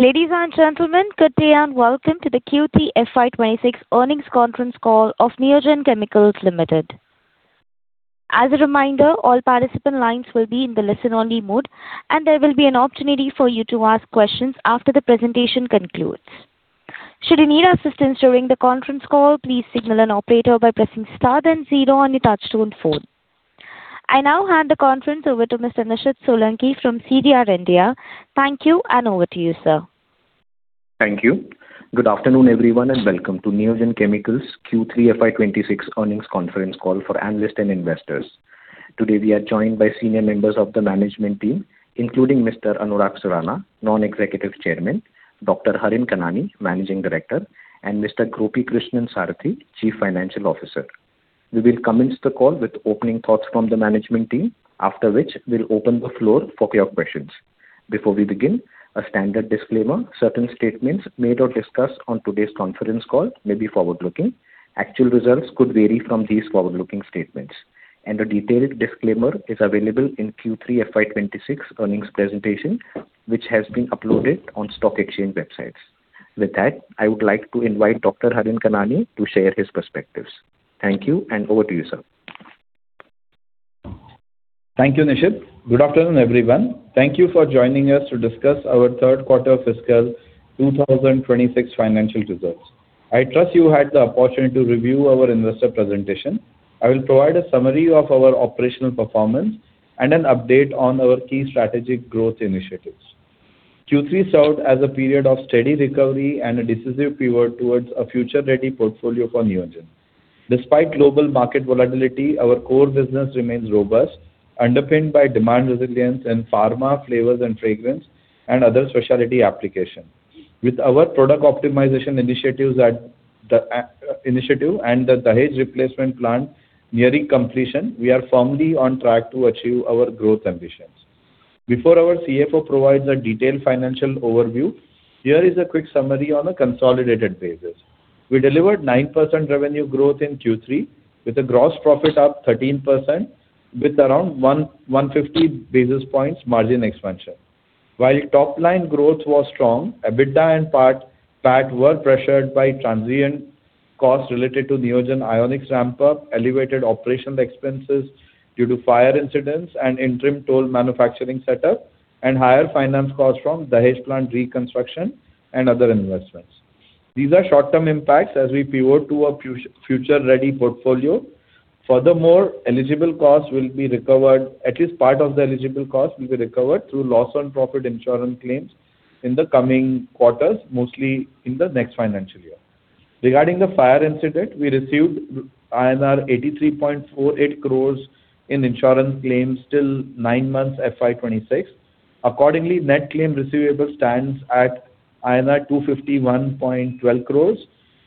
Ladies and gentlemen, good day and welcome to The Q3 FY26 Earnings Conference Call of Neogen Chemicals Limited. As a reminder, all participant lines will be in the listen-only mode, and there will be an opportunity for you to ask questions after the presentation concludes. Should you need assistance during the conference call, please signal an operator by pressing Star then zero on your touchtone phone. I now hand the conference over to Mr. Nishit Solanki from CDR India. Thank you, and over to you, sir. Thank you. Good afternoon, everyone, and welcome to Neogen Chemicals Q3 FY26 Earnings Conference Call for Analysts and Investors. Today, we are joined by senior members of the management team, including Mr. Anurag Surana, Non-Executive Chairman, Dr. Harin Kanani, Managing Director, and Mr. Gopi Krishnan Sarathy, Chief Financial Officer. We will commence the call with opening thoughts from the management team, after which we'll open the floor for your questions. Before we begin, a standard disclaimer: Certain statements made or discussed on today's conference call may be forward-looking. Actual results could vary from these forward-looking statements, and a detailed disclaimer is available in Q3 FY26 earnings presentation, which has been uploaded on stock exchange websites. With that, I would like to invite Dr. Harin Kanani to share his perspectives. Thank you, and over to you, sir. Thank you, Nishit. Good afternoon, everyone. Thank you for joining us to discuss our Third Quarter Fiscal 2026 Financial Results. I trust you had the opportunity to review our investor presentation. I will provide a summary of our operational performance and an update on our key strategic growth initiatives. Q3 served as a period of steady recovery and a decisive pivot towards a future-ready portfolio for Neogen. Despite global market volatility, our core business remains robust, underpinned by demand resilience in pharma, flavors and fragrance, and other specialty applications. With our product optimization initiatives at the, initiative and the Dahej replacement plant nearing completion, we are firmly on track to achieve our growth ambitions. Before our CFO provides a detailed financial overview, here is a quick summary on a consolidated basis. We delivered 9% revenue growth in Q3, with a gross profit up 13%, with around 150 basis points margin expansion. While top-line growth was strong, EBITDA and PAT were pressured by transient costs related to Neogen Ionics ramp-up, elevated operational expenses due to fire incidents and interim toll manufacturing setup, and higher finance costs from Dahej plant reconstruction and other investments. These are short-term impacts as we pivot to a future ready portfolio. Furthermore, eligible costs will be recovered. At least part of the eligible costs will be recovered through loss of profit insurance claims in the coming quarters, mostly in the next financial year. Regarding the fire incident, we received INR 83.48 crores in insurance claims till nine months FY 2026. Accordingly, net claim receivable stands at INR 251.12 crores.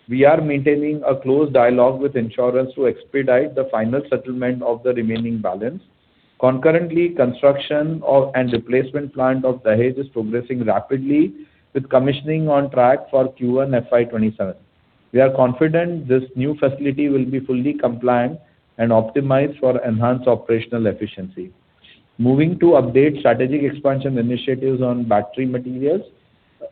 We are maintaining a close dialogue with insurance to expedite the final settlement of the remaining balance. Concurrently, construction of and replacement plant of Dahej is progressing rapidly, with commissioning on track for Q1 FY 2027. We are confident this new facility will be fully compliant and optimized for enhanced operational efficiency. Moving to update strategic expansion initiatives on battery materials.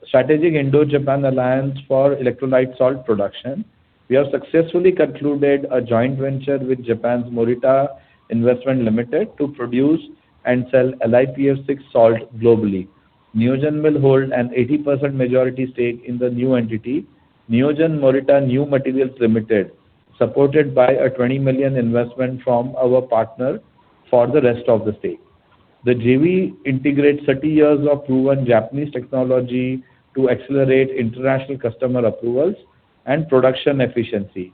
Strategic Indo-Japan Alliance for electrolyte salt production. We have successfully concluded a joint venture with Japan's Morita Investment Limited to produce and sell LiPF6 salt globally. Neogen will hold an 80% majority stake in the new entity, Neogen Morita New Materials Limited, supported by an 20 million investment from our partner for the rest of the stake. The JV integrates 30 years of proven Japanese technology to accelerate international customer approvals and production efficiency.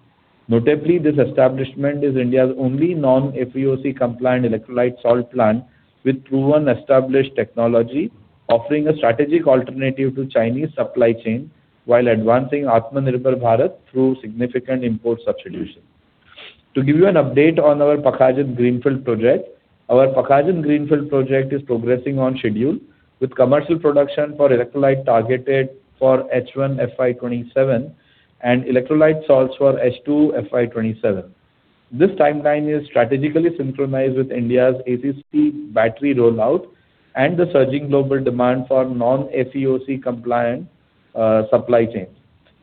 Notably, this establishment is India's only non-FEOC compliant electrolyte salt plant, with proven established technology, offering a strategic alternative to Chinese supply chain while advancing Atmanirbhar Bharat through significant import substitution. To give you an update on our Pakhajan greenfield project. Our Pakhajan greenfield project is progressing on schedule, with commercial production for electrolyte targeted for H1 FY 2027 and electrolyte salts for H2 FY 2027. This timeline is strategically synchronized with India's ACC Battery rollout and the surging global demand for non-FEOC compliant supply chains.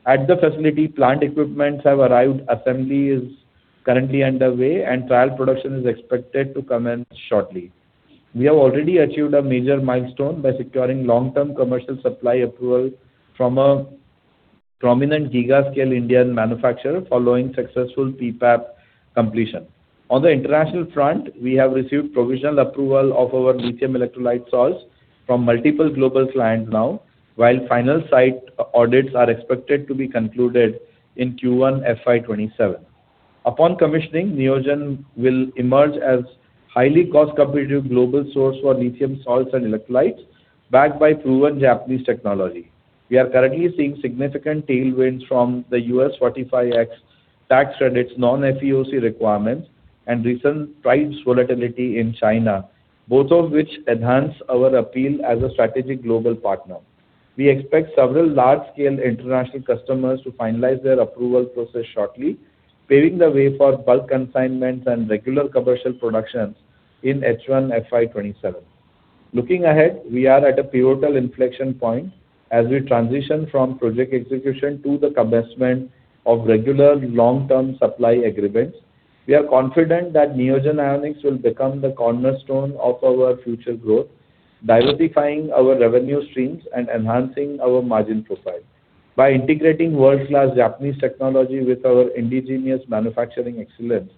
At the facility, plant equipment has arrived, assembly is currently underway, and trial production is expected to commence shortly. We have already achieved a major milestone by securing long-term commercial supply approval from a prominent giga-scale Indian manufacturer following successful PPAP completion. On the international front, we have received provisional approval of our lithium electrolyte salts from multiple global clients now, while final site audits are expected to be concluded in Q1 FY27. Upon commissioning, Neogen will emerge as highly cost competitive global source for lithium salts and electrolytes, backed by proven Japanese technology. We are currently seeing significant tailwinds from the U.S. 45X tax credits, non-FEOC requirements, and recent price volatility in China, both of which enhance our appeal as a strategic global partner. We expect several large-scale international customers to finalize their approval process shortly, paving the way for bulk consignments and regular commercial productions in H1 FY27. Looking ahead, we are at a pivotal inflection point as we transition from project execution to the commencement of regular long-term supply agreements. We are confident that Neogen Ionics will become the cornerstone of our future growth, diversifying our revenue streams and enhancing our margin profile. By integrating world-class Japanese technology with our indigenous manufacturing excellence,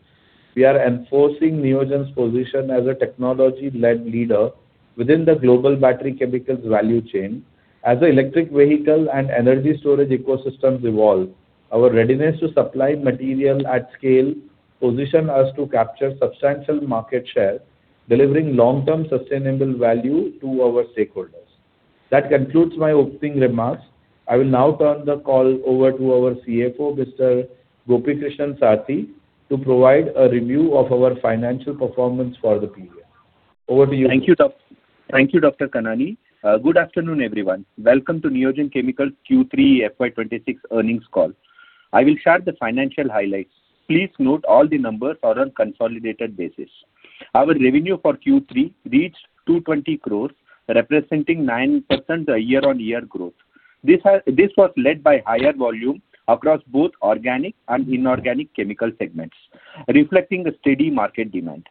we are enforcing Neogen's position as a technology-led leader within the global battery chemicals value chain. As the electric vehicle and energy storage ecosystems evolve, our readiness to supply material at scale position us to capture substantial market share, delivering long-term sustainable value to our stakeholders. That concludes my opening remarks. I will now turn the call over to our CFO, Mr. Gopi Krishnan Sarathy, to provide a review of our financial performance for the period. Over to you. Thank you, Dr. Kanani. Good afternoon, everyone. Welcome to Neogen Chemicals' Q3 FY 2026 earnings call. I will share the financial highlights. Please note all the numbers are on consolidated basis. Our revenue for Q3 reached 220 crore, representing 9% year-on-year growth. This was led by higher volume across both organic and inorganic chemical segments, reflecting a steady market demand.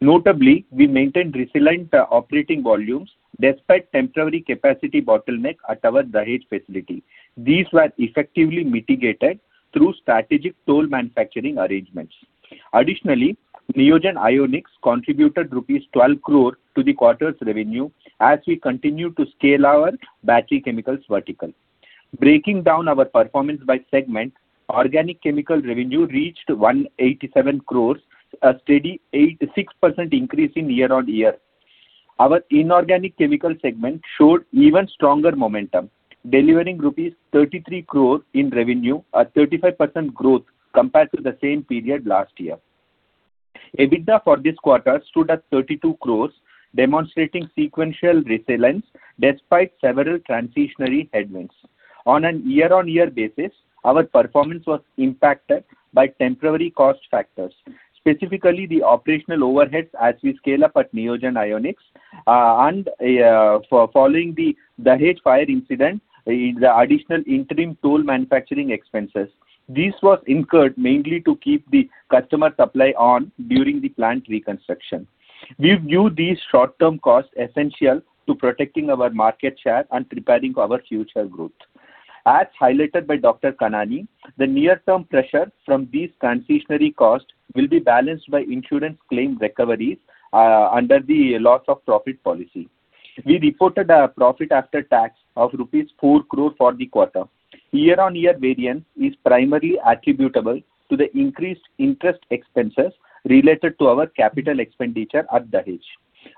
Notably, we maintained resilient operating volumes despite temporary capacity bottleneck at our Dahej facility. These were effectively mitigated through strategic toll manufacturing arrangements. Additionally, Neogen Ionics contributed rupees 12 crore to the quarter's revenue as we continue to scale our battery chemicals vertical. Breaking down our performance by segment, organic chemical revenue reached 187 crore, a steady 86% increase year-on-year. Our inorganic chemical segment showed even stronger momentum, delivering 33 crore rupees in revenue, a 35% growth compared to the same period last year. EBITDA for this quarter stood at 32 crore, demonstrating sequential resilience despite several transitory headwinds. On a year-on-year basis, our performance was impacted by temporary cost factors, specifically the operational overheads as we scale up at Neogen Ionics, and following the Dahej fire incident, the additional interim toll manufacturing expenses. This was incurred mainly to keep the customer supply on during the plant reconstruction. We view these short-term costs essential to protecting our market share and preparing our future growth. As highlighted by Dr. Kanani, the near-term pressure from these transitory costs will be balanced by insurance claim recoveries under the loss of profit policy. We reported a profit after tax of rupees 4 crore for the quarter. Year-on-year variance is primarily attributable to the increased interest expenses related to our capital expenditure at Dahej,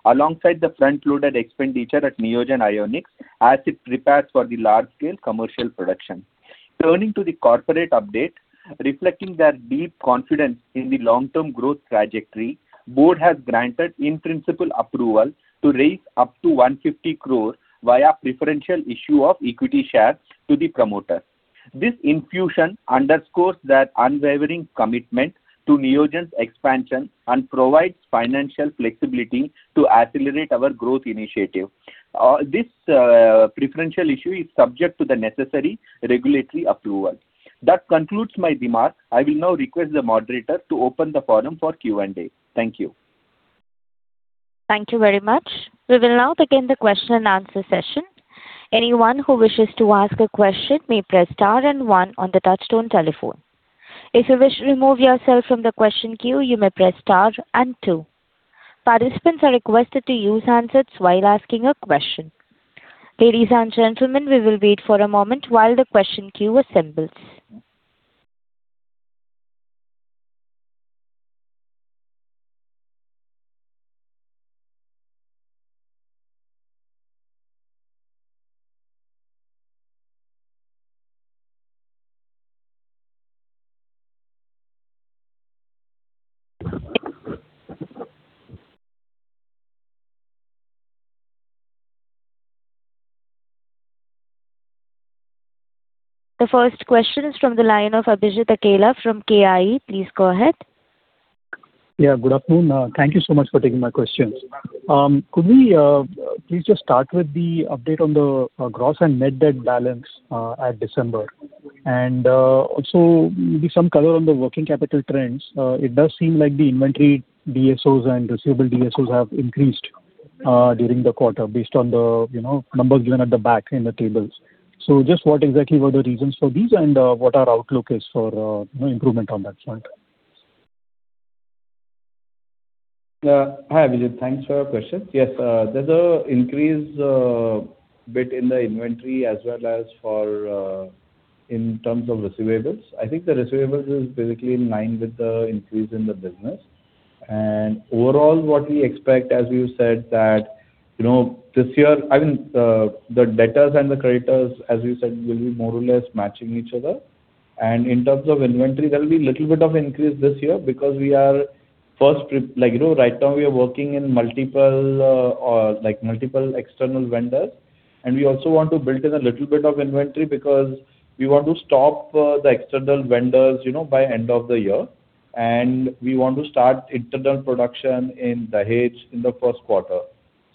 alongside the front-loaded expenditure at Neogen Ionics as it prepares for the large-scale commercial production. Turning to the corporate update, reflecting their deep confidence in the long-term growth trajectory, Board has granted in-principle approval to raise up to 150 crores via preferential issue of equity shares to the promoter. This infusion underscores their unwavering commitment to Neogen's expansion and provides financial flexibility to accelerate our growth initiative. This preferential issue is subject to the necessary regulatory approval. That concludes my remarks. I will now request the moderator to open the forum for Q&A. Thank you. Thank you very much. We will now begin the question and answer session. Anyone who wishes to ask a question may press star and one on the touch-tone telephone. If you wish to remove yourself from the question queue, you may press star and two. Participants are requested to use handsets while asking a question. Ladies and gentlemen, we will wait for a moment while the question queue assembles. The first question is from the line of Abhijit Akella from KIE. Please go ahead. Yeah, good afternoon. Thank you so much for taking my questions. Could we please just start with the update on the gross and net debt balance at December? And also maybe some color on the working capital trends. It does seem like the inventory DSOs and receivable DSOs have increased during the quarter based on the, you know, numbers given at the back in the tables. So just what exactly were the reasons for these and what our outlook is for, you know, improvement on that front? Hi, Abhijit. Thanks for your question. Yes, there's an increase a bit in the inventory as well as for, in terms of receivables. I think the receivables is basically in line with the increase in the business. And overall, what we expect, as you said, that, you know, this year, I mean, the debtors and the creditors, as you said, will be more or less matching each other. And in terms of inventory, there will be little bit of increase this year because Like, you know, right now we are working in multiple, like, multiple external vendors. And we also want to build in a little bit of inventory, because we want to stop the external vendors, you know, by end of the year. And we want to start internal production in Dahej in the first quarter.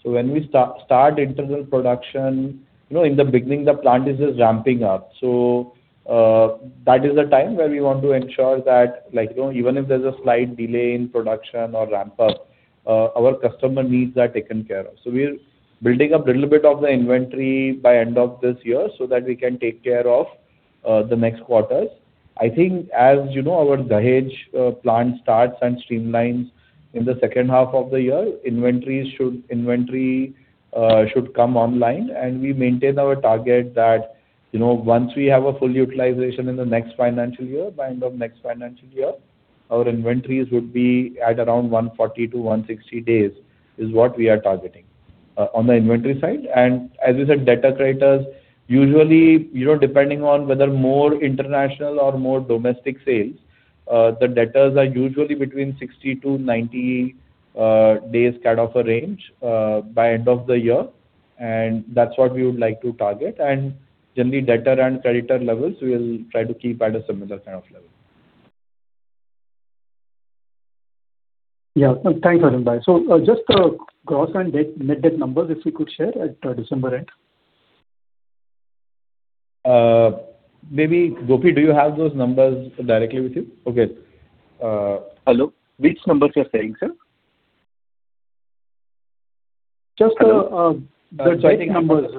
So when we start internal production, you know, in the beginning, the plant is just ramping up. So, that is the time where we want to ensure that, like, you know, even if there's a slight delay in production or ramp up, our customer needs are taken care of. So we're building up a little bit of the inventory by end of this year, so that we can take care of the next quarters. I think as you know, our Dahej plant starts and streamlines in the second half of the year, inventory should come online. We maintain our target that, you know, once we have a full utilization in the next financial year, by end of next financial year, our inventories would be at around 140-160 days, is what we are targeting on the inventory side. As you said, debtors, creditors, usually, you know, depending on whether more international or more domestic sales, the debtors are usually between 60-90 days kind of a range, by end of the year, and that's what we would like to target. Generally, debtor and creditor levels, we will try to keep at a similar kind of level. Yeah. Thanks, Harin. So just gross and debt, net debt numbers, if you could share at December end? Maybe, Gopi, do you have those numbers directly with you? Okay, Hello. Which numbers you're saying, sir? Just, the debt numbers.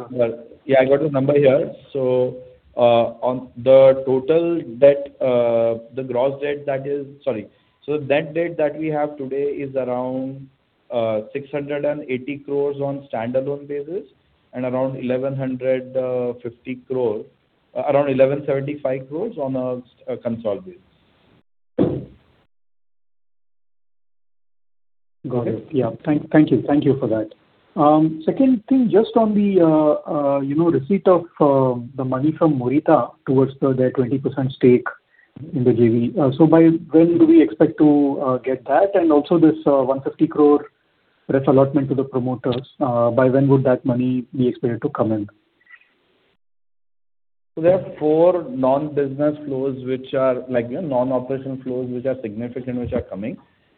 Yeah, I got the number here. So, on the total debt, the gross debt, that is. Sorry. So debt that we have today is around 680 crore on standalone basis, and around 1,150 crore, around 1,175 crore on a consolidated. Got it. Yeah. Thank, thank you. Thank you for that. Second thing, just on the, you know, receipt of the money from Morita towards the, their 20% stake in the JV. So by when do we expect to get that? And also this, 150 crore preferential allotment to the promoters, by when would that money be expected to come in? So there are four non-business flows, which are like, you know, non-operational flows, which are significant, which are coming.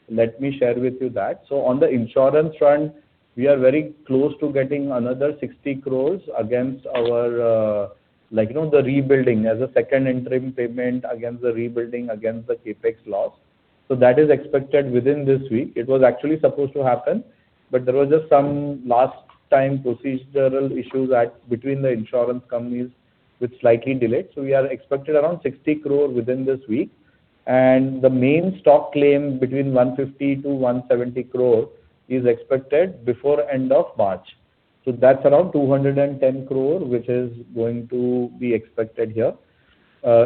Let me share with you that. So on the insurance front, we are very close to getting another 60 crore against our, like, you know, the rebuilding as a second interim payment against the rebuilding, against the CapEx loss. So that is expected within this week. It was actually supposed to happen, but there was just some last time procedural issues at, between the insurance companies, which slightly delayed. So we are expecting around 60 crore within this week, and the main stock claim between 150 crore-170 crore is expected before end of March. So that's around 210 crore, which is going to be expected here.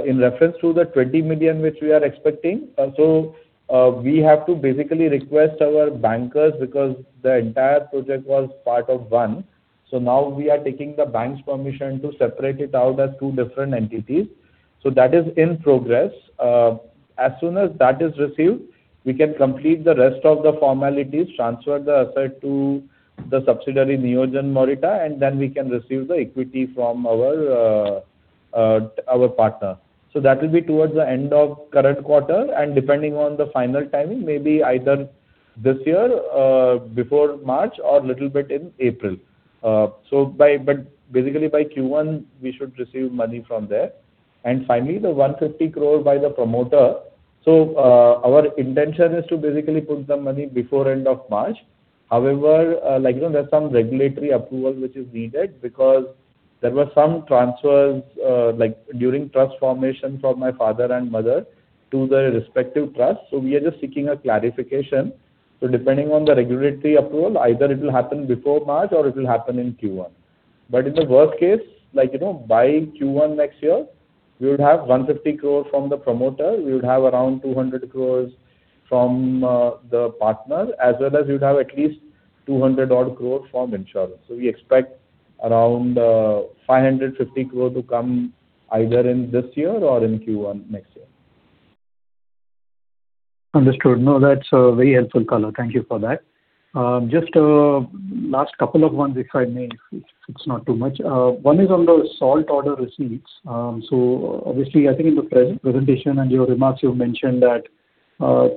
In reference to the 20 million, which we are expecting, so we have to basically request our bankers because the entire project was part of one. So now we are taking the bank's permission to separate it out as two different entities. So that is in progress. As soon as that is received, we can complete the rest of the formalities, transfer the asset to the subsidiary, Neogen Morita, and then we can receive the equity from our partner. So that will be towards the end of current quarter, and depending on the final timing, maybe either this year, before March or little bit in April. So by, but basically by Q1, we should receive money from there. And finally, the 150 crore by the promoter. So our intention is to basically put the money before end of March. However, like, you know, there's some regulatory approval which is needed because there were some transfers, like, during trust formation from my father and mother to the respective trust. So we are just seeking a clarification. So depending on the regulatory approval, either it will happen before March or it will happen in Q1. But in the worst case, like, you know, by Q1 next year, we would have 150 crore from the promoter. We would have around 200 crore from the partner, as well as we'd have at least 200-odd crore from insurance. So we expect around 550 crore to come either in this year or in Q1 next year. Understood. No, that's a very helpful color. Thank you for that. Just last couple of ones if I may, if it's not too much. One is on the salt order receipts. So obviously, I think in the presentation and your remarks, you've mentioned that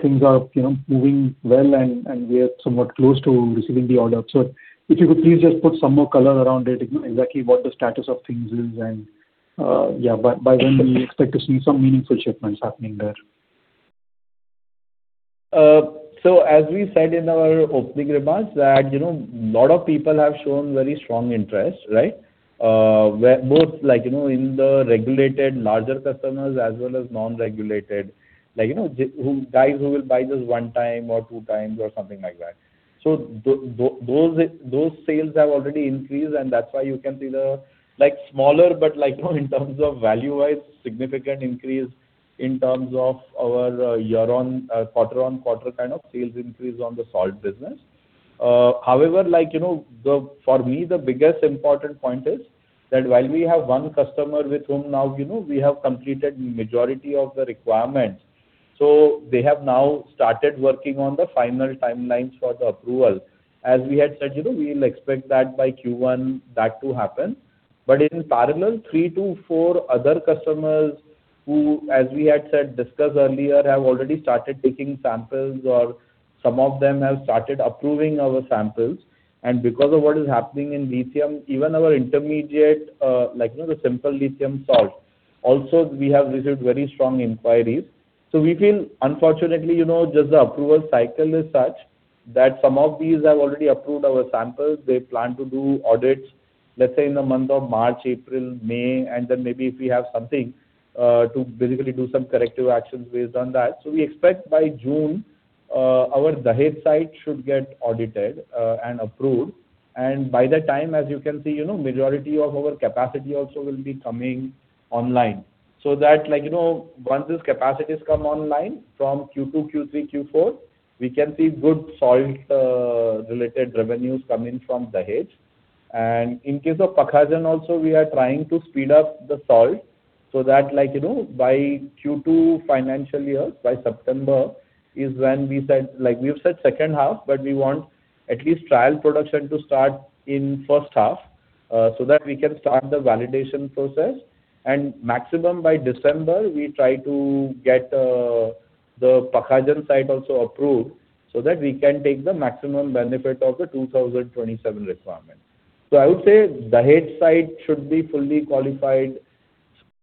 things are, you know, moving well, and we are somewhat close to receiving the order. So if you could please just put some more color around it, you know, exactly what the status of things is, and yeah, by when we expect to see some meaningful shipments happening there. So as we said in our opening remarks that, you know, a lot of people have shown very strong interest, right? Where both, like, you know, in the regulated larger customers as well as non-regulated, like, you know, the, who, guys who will buy just one time or two times or something like that. So those sales have already increased, and that's why you can see the, like, smaller, but like, you know, in terms of value-wise, significant increase in terms of our, year-on, quarter-on-quarter kind of sales increase on the salt business. However, like, you know, for me, the biggest important point is that while we have one customer with whom now, you know, we have completed majority of the requirements. So they have now started working on the final timelines for the approval. As we had said, you know, we'll expect that by Q1 that to happen. But in parallel, 3-4 other customers who, as we had said, discussed earlier, have already started taking samples, or some of them have started approving our samples. And because of what is happening in lithium, even our intermediate, like, you know, the simple lithium salt, also, we have received very strong inquiries. So we feel unfortunately, you know, just the approval cycle is such that some of these have already approved our samples. They plan to do audits, let's say, in the month of March, April, May, and then maybe if we have something to basically do some corrective actions based on that. So we expect by June our Dahej site should get audited and approved. By that time, as you can see, you know, majority of our capacity also will be coming online. So that like, you know, once these capacities come online from Q2, Q3, Q4, we can see good salt related revenues coming from Dahej. In case of Pakhajan also, we are trying to speed up the salt so that, like, you know, by Q2 financial year, by September, is when we said—like, we've said second half, but we want at least trial production to start in first half, so that we can start the validation process. Maximum by December, we try to get the Pakhajan site also approved so that we can take the maximum benefit of the 2027 requirement. I would say Dahej site should be fully qualified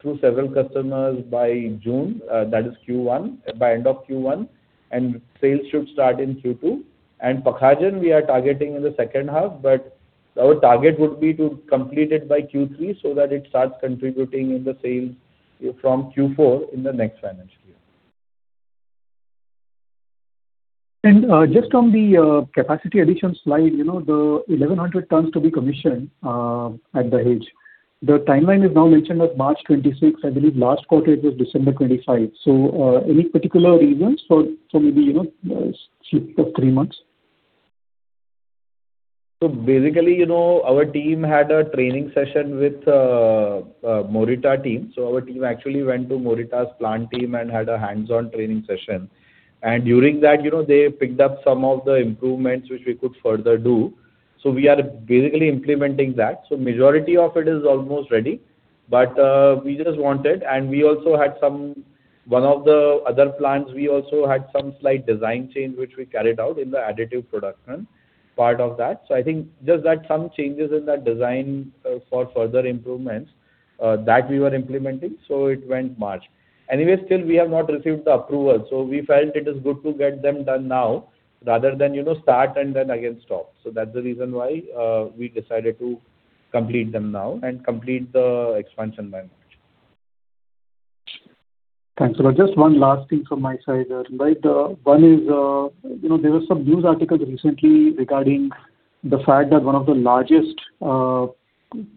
through several customers by June, that is Q1, by end of Q1, and sales should start in Q2. Pakhajan, we are targeting in the second half, but our target would be to complete it by Q3 so that it starts contributing in the sales from Q4 in the next financial year. Just on the capacity addition slide, you know, the 1,100 tons to be commissioned at Dahej. The timeline is now mentioned as March 2026. I believe last quarter it was December 2025. So, any particular reason for, for maybe, you know, slip of three months? So basically, you know, our team had a training session with Morita team. So our team actually went to Morita's plant team and had a hands-on training session. And during that, you know, they picked up some of the improvements which we could further do. So we are basically implementing that. So majority of it is almost ready, but we just wanted. And we also had some one of the other plants, we also had some slight design change, which we carried out in the additive production part of that. So I think just that some changes in that design for further improvements that we were implementing, so it went March. Anyway, still we have not received the approval, so we felt it is good to get them done now rather than, you know, start and then again stop. That's the reason why we decided to complete them now and complete the expansion by March. Thanks a lot. Just one last thing from my side, like, one is, you know, there were some news articles recently regarding the fact that one of the largest,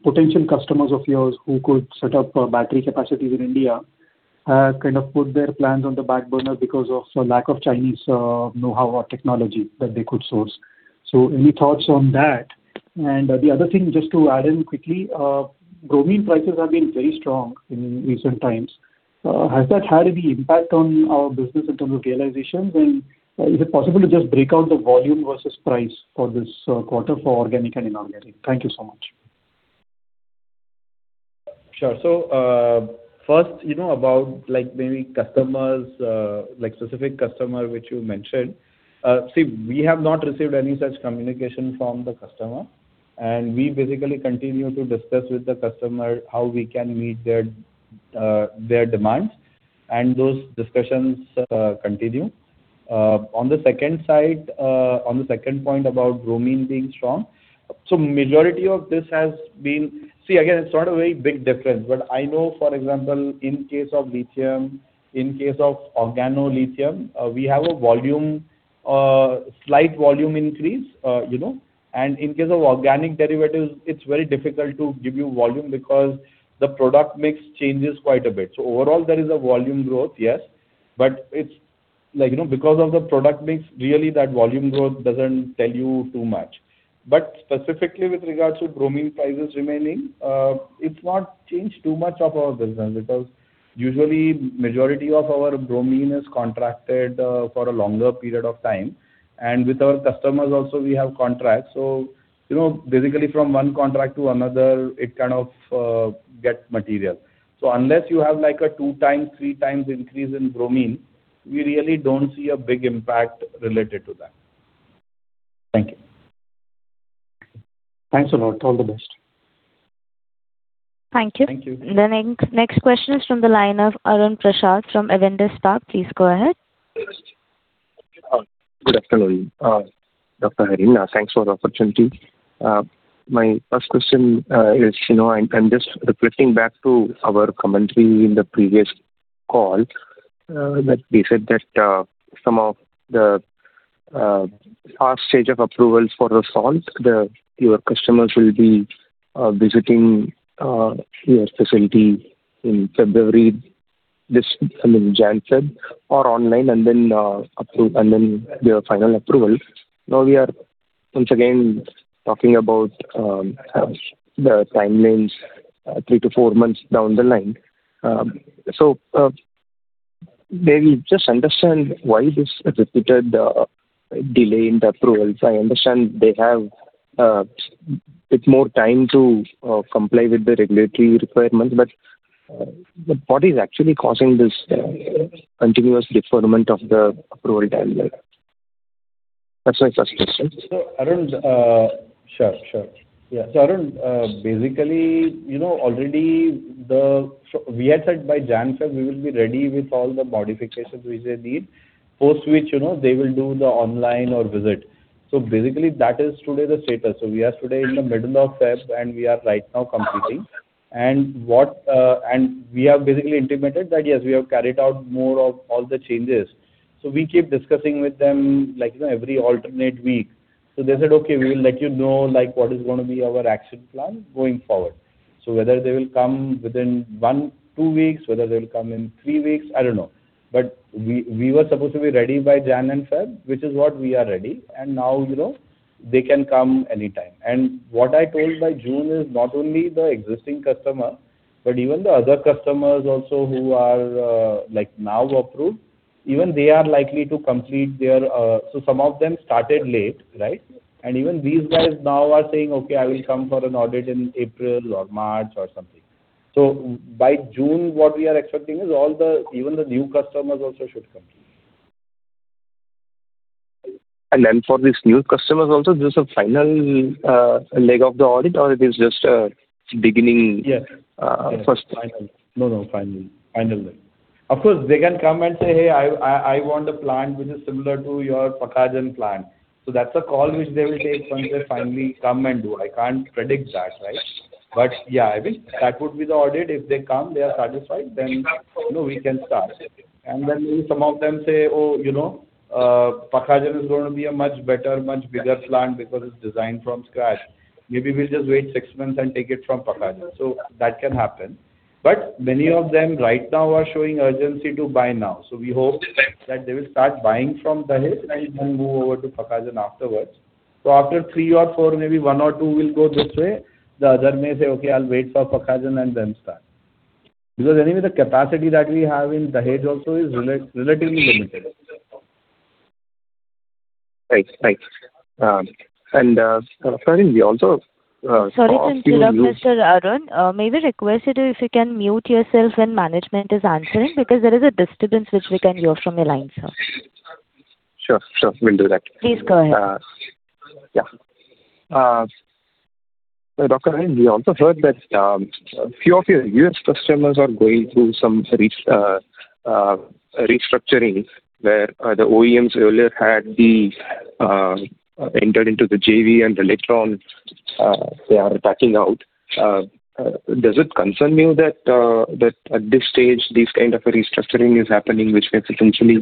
potential customers of yours who could set up, battery capacities in India, have kind of put their plans on the back burner because of lack of Chinese, know-how or technology that they could source. So any thoughts on that? And the other thing, just to add in quickly, bromine prices have been very strong in recent times. Has that had any impact on our business in terms of realizations? And is it possible to just break out the volume versus price for this, quarter for organic and inorganic? Thank you so much. Sure. So, first, you know, about like maybe customers, like specific customer, which you mentioned. See, we have not received any such communication from the customer, and we basically continue to discuss with the customer how we can meet their, their demands, and those discussions continue. On the second side, on the second point about bromine being strong, so majority of this has been. See, again, it's not a very big difference. But I know, for example, in case of lithium, in case of organolithium, we have a volume, slight volume increase, you know, and in case of organic derivatives, it's very difficult to give you volume because the product mix changes quite a bit. So overall, there is a volume growth, yes, but it's like, you know, because of the product mix, really, that volume growth doesn't tell you too much. But specifically with regards to bromine prices remaining, it's not changed too much of our business, because usually majority of our bromine is contracted, for a longer period of time. And with our customers also, we have contracts. So, you know, basically from one contract to another, it kind of, gets material. So unless you have like a 2x, 3x increase in bromine, we really don't see a big impact related to that. Thank you. Thanks a lot. All the best. Thank you. Thank you. The next, next question is from the line of Arun Prasad, from Avendus Capital. Please go ahead. Good afternoon, Dr. Harin. Thanks for the opportunity. My first question is, you know, I'm just reflecting back to our commentary in the previous call, that we said that some of the last stage of approvals for the salts, the—your customers will be visiting your facility in February, this, I mean, January, February or online, and then approve, and then give final approval. Now, once again, talking about the time means three to four months down the line. So, may we just understand why this repeated delay in the approvals? I understand they have bit more time to comply with the regulatory requirements, but what is actually causing this continuous deferment of the approval timeline? That's my first question. So, Arun, sure, sure. Yeah. So, Arun, basically, you know, already, so we had said by January, February, we will be ready with all the modifications which they need, post which, you know, they will do the online or visit. So basically, that is today the status. So we are today in the middle of February, and we are right now completing, and we have basically intimated that, yes, we have carried out more of all the changes. So we keep discussing with them, like, you know, every alternate week. So they said, "Okay, we will let you know, like, what is going to be our action plan going forward." So whether they will come within one, two weeks, whether they will come in three weeks, I don't know. But we, we were supposed to be ready by January and February, which is what we are ready, and now, you know, they can come anytime. And what I told by June is not only the existing customer, but even the other customers also who are, like now approved, even they are likely to complete their. So some of them started late, right? And even these guys now are saying, "Okay, I will come for an audit in April or March or something." So by June, what we are expecting is all the, even the new customers also should come. And then for these new customers also, this is a final leg of the audit, or it is just a beginning? Yes. First? No, no, final, final leg. Of course, they can come and say, "Hey, I want a plant which is similar to your Pakhajan plant." So that's a call which they will take when they finally come and do. I can't predict that, right? But yeah, I think that would be the audit. If they come, they are satisfied, then, you know, we can start. And then some of them say, "Oh, you know, Pakhajan is going to be a much better, much bigger plant because it's designed from scratch. Maybe we'll just wait six months and take it from Pakhajan." So that can happen, but many of them right now are showing urgency to buy now. So we hope that they will start buying from Dahej and then move over to Pakhajan afterwards. So after three or four, maybe one or two will go this way, the other may say, "Okay, I'll wait for Pakhajan and then start." Because anyway, the capacity that we have in Dahej also is relatively limited. Right. Right. And sorry, we also. Sorry to interrupt, Mr. Arun. May we request you to if you can mute yourself when management is answering? Because there is a disturbance which we can hear from your line, sir. Sure, sure. We'll do that. Please go ahead. Yeah. So, Dr. Harin, we also heard that a few of your U.S. customers are going through some restructuring, where the OEMs earlier had entered into the JV and later on they are backing out. Does it concern you that at this stage, this kind of a restructuring is happening, which may potentially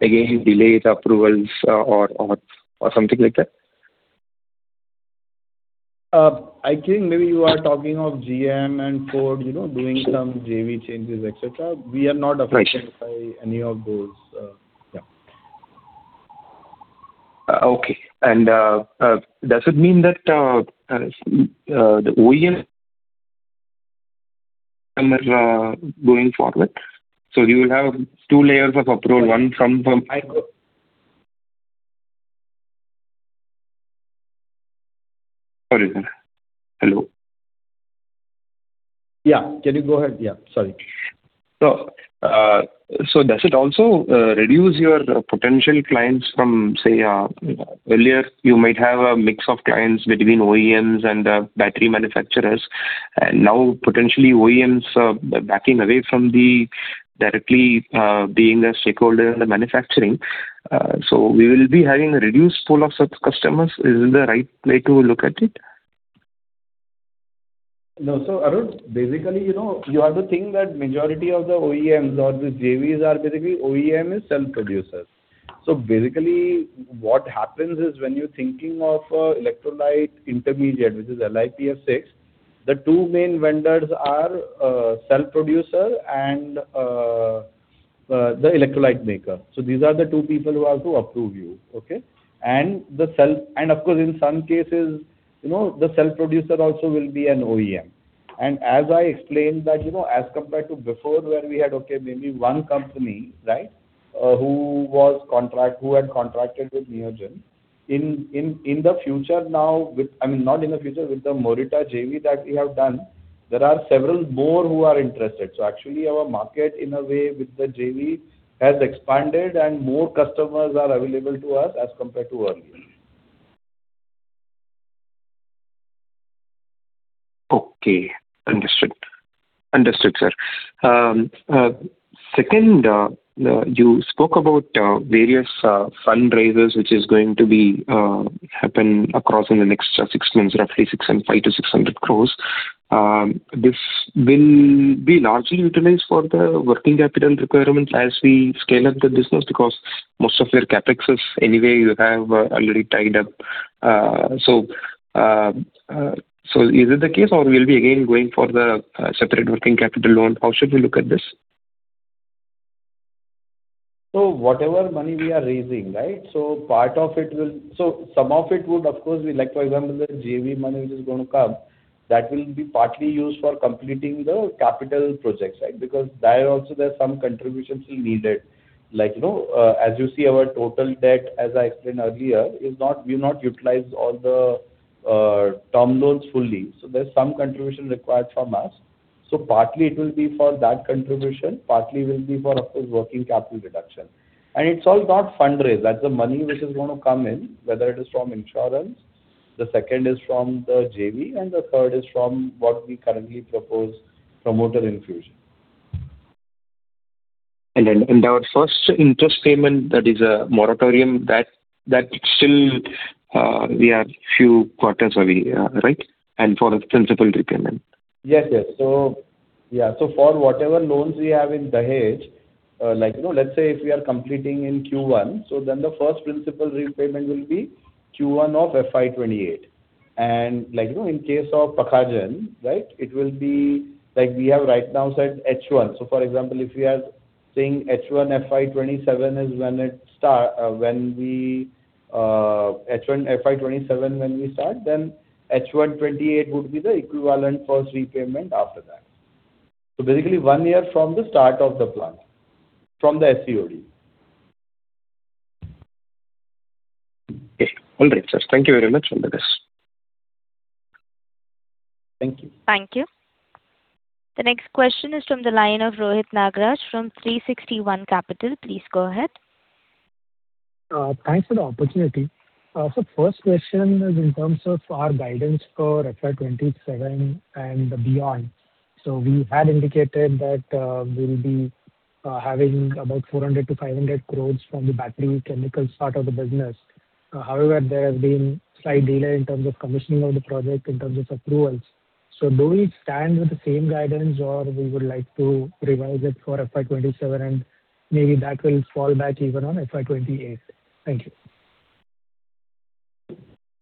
again delay the approvals or something like that? I think maybe you are talking of GM and Ford, you know, doing some JV changes, et cetera. We are not affected by any of those. Yeah. Okay. And, does it mean that the OEM are going forward? So you will have two layers of approval, one from the. Sorry, sir. Hello? Yeah, can you go ahead? Yeah, sorry. So does it also reduce your potential clients from, say, earlier you might have a mix of clients between OEMs and battery manufacturers, and now potentially OEMs are backing away from directly being a stakeholder in the manufacturing. So we will be having a reduced pool of such customers. Is this the right way to look at it? No. So, Arun, basically, you know, you have to think that majority of the OEMs or the JVs are basically OEM and cell producers. So basically, what happens is when you're thinking of electrolyte intermediate, which is LiPF6, the two main vendors are cell producer and the electrolyte maker. So these are the two people who have to approve you, okay? And the cell and of course, in some cases, you know, the cell producer also will be an OEM. And as I explained that, you know, as compared to before, where we had, okay, maybe one company, right, who had contracted with Neogen. In the future now with—I mean, not in the future, with the Morita JV that we have done, there are several more who are interested. Actually, our market, in a way, with the JV, has expanded, and more customers are available to us as compared to earlier. Okay. Understood. Understood, sir. Second, you spoke about various fundraisers, which is going to be happen across in the next six months, roughly 500-600 crores. This will be largely utilized for the working capital requirements as we scale up the business, because most of your CapEx is anyway you have already tied up. So, so is it the case, or we'll be again going for the separate working capital loan? How should we look at this? So whatever money we are raising, right? So part of it will, so some of it would, of course, be like, for example, the JV money, which is going to come, that will be partly used for completing the capital projects, right? Because there also there's some contribution still needed. Like, you know, as you see, our total debt, as I explained earlier, is not, we've not utilized all the, term loans fully. So there's some contribution required from us. So partly it will be for that contribution, partly will be for, of course, working capital reduction. And it's all about fundraise. That's the money which is going to come in, whether it is from infusion, the second is from the JV, and the third is from what we currently propose, promoter infusion. And then our first interest payment that is a moratorium, that still we are few quarters away, right? And for the principal repayment. Yes, yes. So, yeah, so for whatever loans we have in Dahej, like, you know, let's say, if we are completing in Q1, so then the first principal repayment will be Q1 of FY 2028. And like, you know, in case of Pakhajan, right, it will be like we have right now said H1. So for example, if we are saying H1 FY 2027 is when it start, when we, H1 FY 2027 when we start, then H1 2028 would be the equivalent first repayment after that. So basically one year from the start of the plant, from the SCOD. Okay. All right, sir. Thank you very much for this. Thank you. Thank you. The next question is from the line of Rohit Nagraj from 360 ONE Asset. Please go ahead. Thanks for the opportunity. So first question is in terms of our guidance for FY 2027 and beyond. So we had indicated that, we'll be, having about 400-500 crore from the battery chemical part of the business. However, there has been slight delay in terms of commissioning of the project, in terms of approvals. So do we stand with the same guidance, or we would like to revise it for FY 2027, and maybe that will fall back even on FY 2028? Thank you.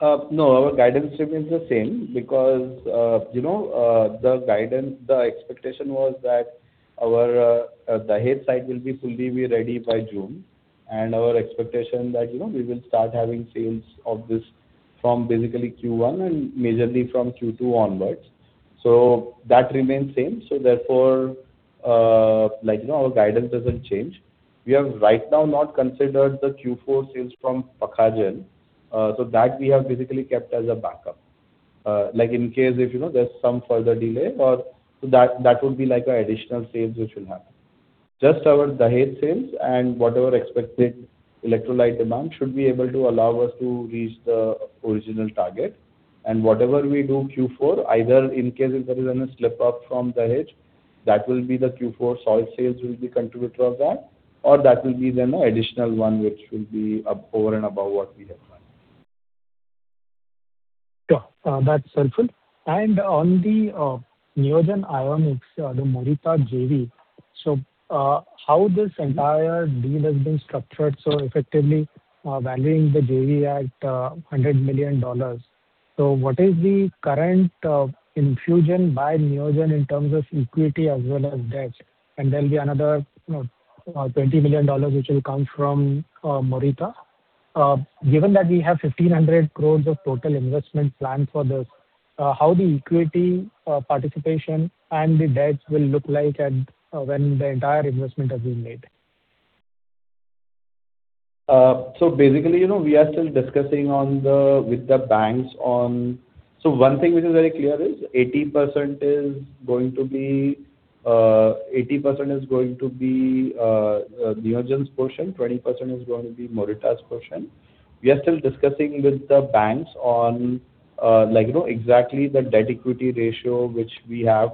No, our guidance remains the same because, you know, the guidance, the expectation was that our Dahej site will be fully be ready by June. And our expectation that, you know, we will start having sales of this from basically Q1 and majorly from Q2 onwards. So that remains same. So therefore, like, you know, our guidance doesn't change. We have right now not considered the Q4 sales from Pakhajan. So that we have basically kept as a backup. Like in case if, you know, there's some further delay or so that, that would be like an additional sales which will happen. Just our Dahej sales and whatever expected electrolyte demand should be able to allow us to reach the original target. Whatever we do Q4, either in case if there is any slip up from Dahej, that will be the Q4 salt sales will be contributor of that, or that will be then an additional one, which will be up over and above what we have planned. Sure, that's helpful. And on the Neogen Ionics, the Morita JV, so how this entire deal has been structured, so effectively valuing the JV at $100 million. So what is the current infusion by Neogen in terms of equity as well as debt? And there'll be another $20 million, which will come from Morita. Given that we have 1,500 crore of total investment planned for this, how the equity participation and the debt will look like at when the entire investment has been made? So basically, you know, we are still discussing with the banks on. So one thing which is very clear is 80% is going to be Neogen's portion, 20% is going to be Morita's portion. We are still discussing with the banks on, like, you know, exactly the debt equity ratio which we have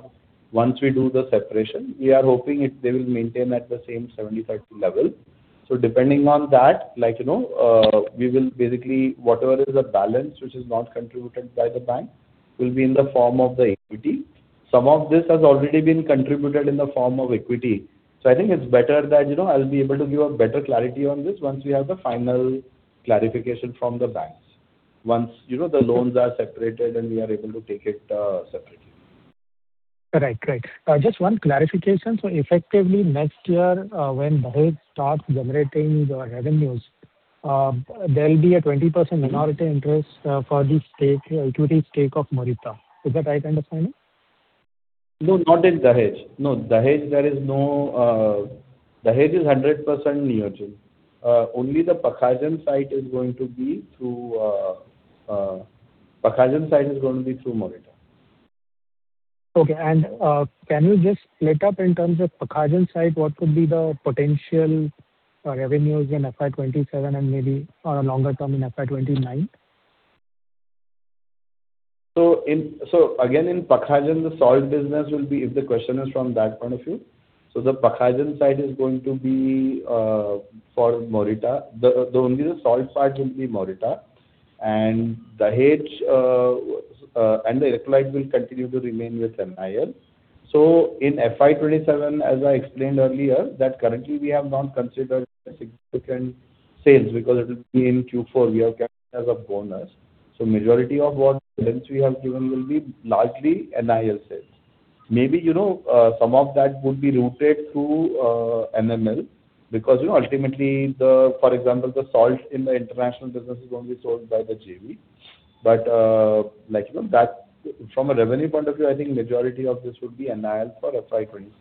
once we do the separation. We are hoping it, they will maintain at the same 70/30 level. So depending on that, like, you know, we will basically whatever is the balance, which is not contributed by the bank, will be in the form of the equity. Some of this has already been contributed in the form of equity. So I think it's better that, you know, I'll be able to give a better clarity on this once we have the final clarification from the banks. Once, you know, the loans are separated and we are able to take it separately. Right. Right. Just one clarification. So effectively next year, when Dahej starts generating the revenues, there will be a 20% minority interest, for the stake, equity stake of Morita. Is that right understanding? No, not in Dahej. No, Dahej there is no, Dahej is 100% Neogen. Only the Pakhajan site is going to be through, Pakhajan site is going to be through Morita. Okay. And, can you just split up in terms of Pakhajan site, what could be the potential revenues in FY 2027 and maybe on a longer term in FY 2029? So in, so again, in Pakhajan, the salt business will be, if the question is from that point of view, so the Pakhajan site is going to be for Morita. The only the salt part will be Morita, and Dahej, and the electrolyte will continue to remain with NIL. So in FY 2027, as I explained earlier, that currently we have not considered a significant sales because it will be in Q4, we have kept it as a bonus. So majority of what guidance we have given will be largely nil sales. Maybe, you know, some of that would be routed through NML, because, you know, ultimately the, for example, the salt in the international business is only sold by the JV. But, like, you know, that from a revenue point of view, I think majority of this would be NIL for FY 2027.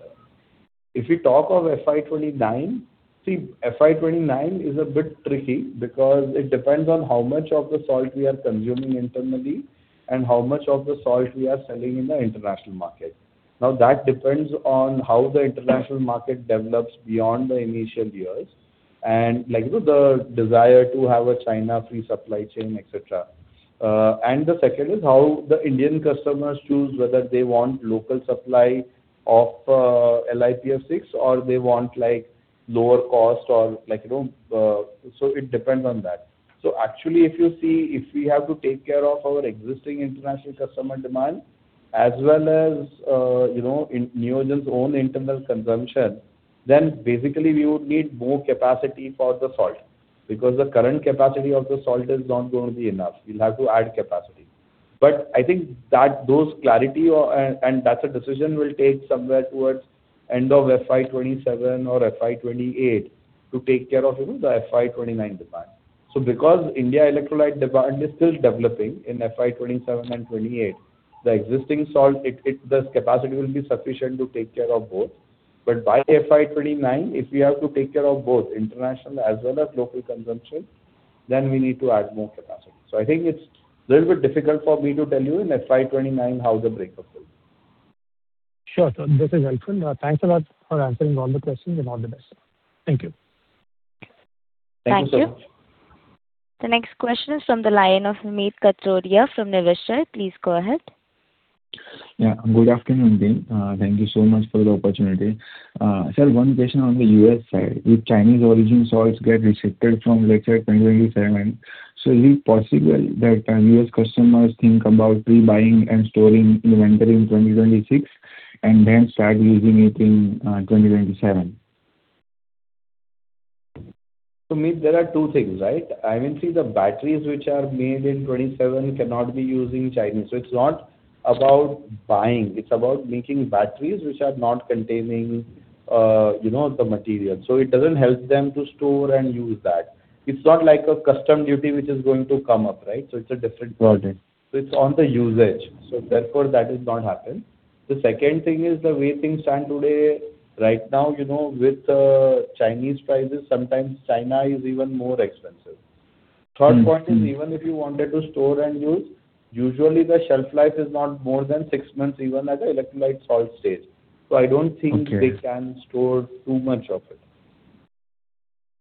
If you talk of FY 2029, see, FY 2029 is a bit tricky because it depends on how much of the salt we are consuming internally and how much of the salt we are selling in the international market. Now, that depends on how the international market develops beyond the initial years and, like, you know, the desire to have a China-free supply chain, et cetera. And the second is how the Indian customers choose whether they want local supply of LiPF6 or they want, like, lower cost or like, you know, so it depends on that. So actually, if you see, if we have to take care of our existing international customer demand as well as, you know, in Neogen's own internal consumption, then basically we would need more capacity for the salt, because the current capacity of the salt is not going to be enough. We'll have to add capacity. But I think that those clarity, and that's a decision we'll take somewhere towards end of FY 2027 or FY 2028 to take care of, you know, the FY 2029 demand. So because India electrolyte demand is still developing in FY 2027 and 2028, the existing salt, the capacity will be sufficient to take care of both. But by FY 2029, if we have to take care of both international as well as local consumption, then we need to add more capacity. I think it's a little bit difficult for me to tell you in FY 2029 how the breakup will be. Sure. This is helpful. Thanks a lot for answering all the questions, and all the best. Thank you. Thank you so much. Thank you. The next question is from the line of Meet Kataria from Niveshaay. Please go ahead. Yeah, good afternoon, Harin. Thank you so much for the opportunity. So one question on the U.S. side: If Chinese origin salts get restricted from, let's say, 2027, so is it possible that U.S. customers think about pre-buying and storing inventory in 2026 and then start using it in 2027? So, Meet, there are two things, right? I mean, see, the batteries which are made in 2027 cannot be using Chinese. So it's not about buying, it's about making batteries which are not containing, you know, the material. So it doesn't help them to store and use that. It's not like a customs duty which is going to come up, right? So it's a different. Got it. So it's on the usage. So therefore, that is not happen. The second thing is the way things stand today, right now, you know, with Chinese prices, sometimes China is even more expensive. Third point is, even if you wanted to store and use, usually the shelf life is not more than six months, even at the electrolyte salt stage. So I don't think. Okay. They can store too much of it.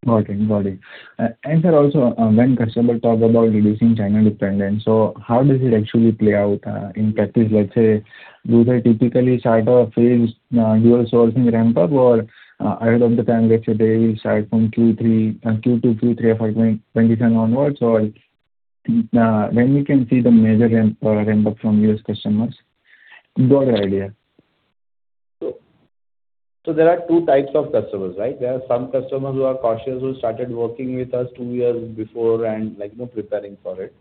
Got it, got it. And sir, also, when customer talk about reducing China dependence, so how does it actually play out, in practice? Let's say, do they typically start a phase, dual sourcing ramp up or, ahead of the time, let's say, they will start from Q3, Q2, Q3 of FY27 onwards, or, when we can see the major ramp, ramp up from U.S. customers? Got an idea. So there are two types of customers, right? There are some customers who are cautious, who started working with us two years before and, like, you know, preparing for it. Right.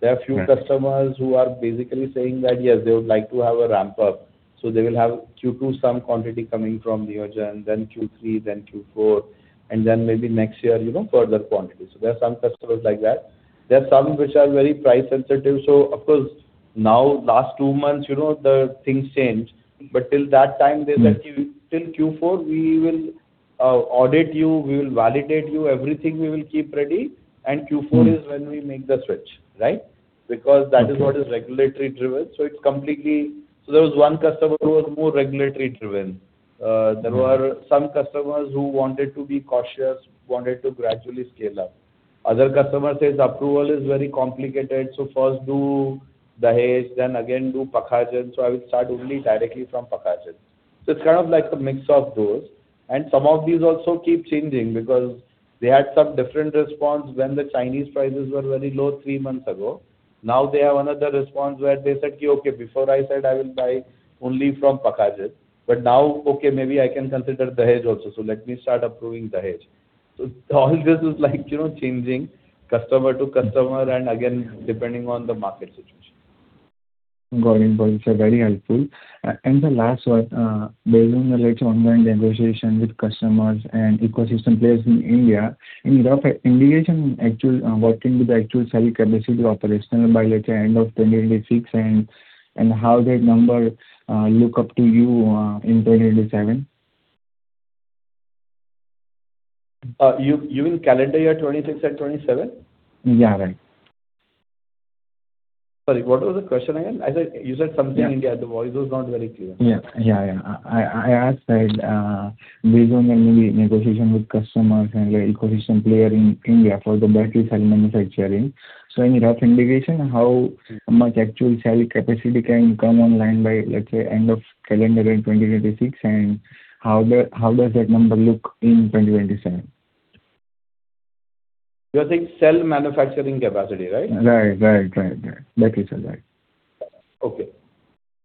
There are few customers who are basically saying that, yes, they would like to have a ramp up, so they will have Q2, some quantity coming from Neogen, then Q3, then Q4, and then maybe next year, you know, further quantity. So there are some customers like that. There are some which are very price sensitive. So of course, now, last two months, you know, the things changed, but till that time. They said, "Till Q4, we will audit you, we will validate you, everything we will keep ready, and Q4 is when we make the switch." Right? Okay. Because that is what is regulatory-driven. So it's completely. So there was one customer who was more regulatory-driven. There were some customers who wanted to be cautious, wanted to gradually scale up. Other customer says approval is very complicated, so first do Dahej, then again do Pakhajan. So I will start only directly from Pakhajan. So it's kind of like a mix of those, and some of these also keep changing because they had some different response when the Chinese prices were very low three months ago. Now they have another response where they said, "Okay, before I said I will buy only from Pakhajan, but now, okay, maybe I can consider Dahej also. So let me start approving Dahej." So all this is like, you know, changing customer to customer and again, depending on the market situation. Got it, got it. So very helpful. And the last one, based on the latest ongoing negotiation with customers and ecosystem players in India, any rough indication actual, what into the actual cell capacity operational by, let's say, end of 2026, and, and how that number, look up to you, in 2027? You mean calendar year 26 and 27? Yeah, right. Sorry, what was the question again? I thought you said something India. Yeah. The voice was not very clear. Yeah, yeah, yeah. I asked that based on the maybe negotiation with customers and the ecosystem player in India for the battery cell manufacturing. So any rough indication how much actual cell capacity can come online by, let's say, end of calendar in 2026, and how does that number look in 2027? You're saying cell manufacturing capacity, right? Right, right, right, right. Battery cell, right. Okay.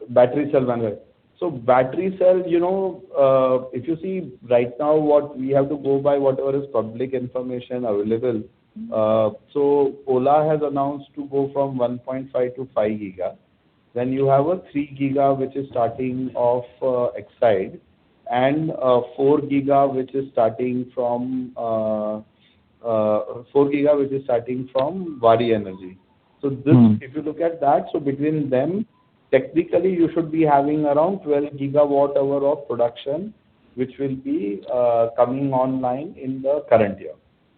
Battery cell manufacturing. So battery cell, you know, if you see right now, what we have to go by, whatever is public information available, so Ola has announced to go from 1.5 to 5 GWh. Then you have a 3 GWh, which is starting off, Exide, and, four GWh, which is starting from, four GWh, which is starting from Waaree Energies. This, if you look at that, so between them, technically, you should be having around 12 GWh of production, which will be coming online in the current year,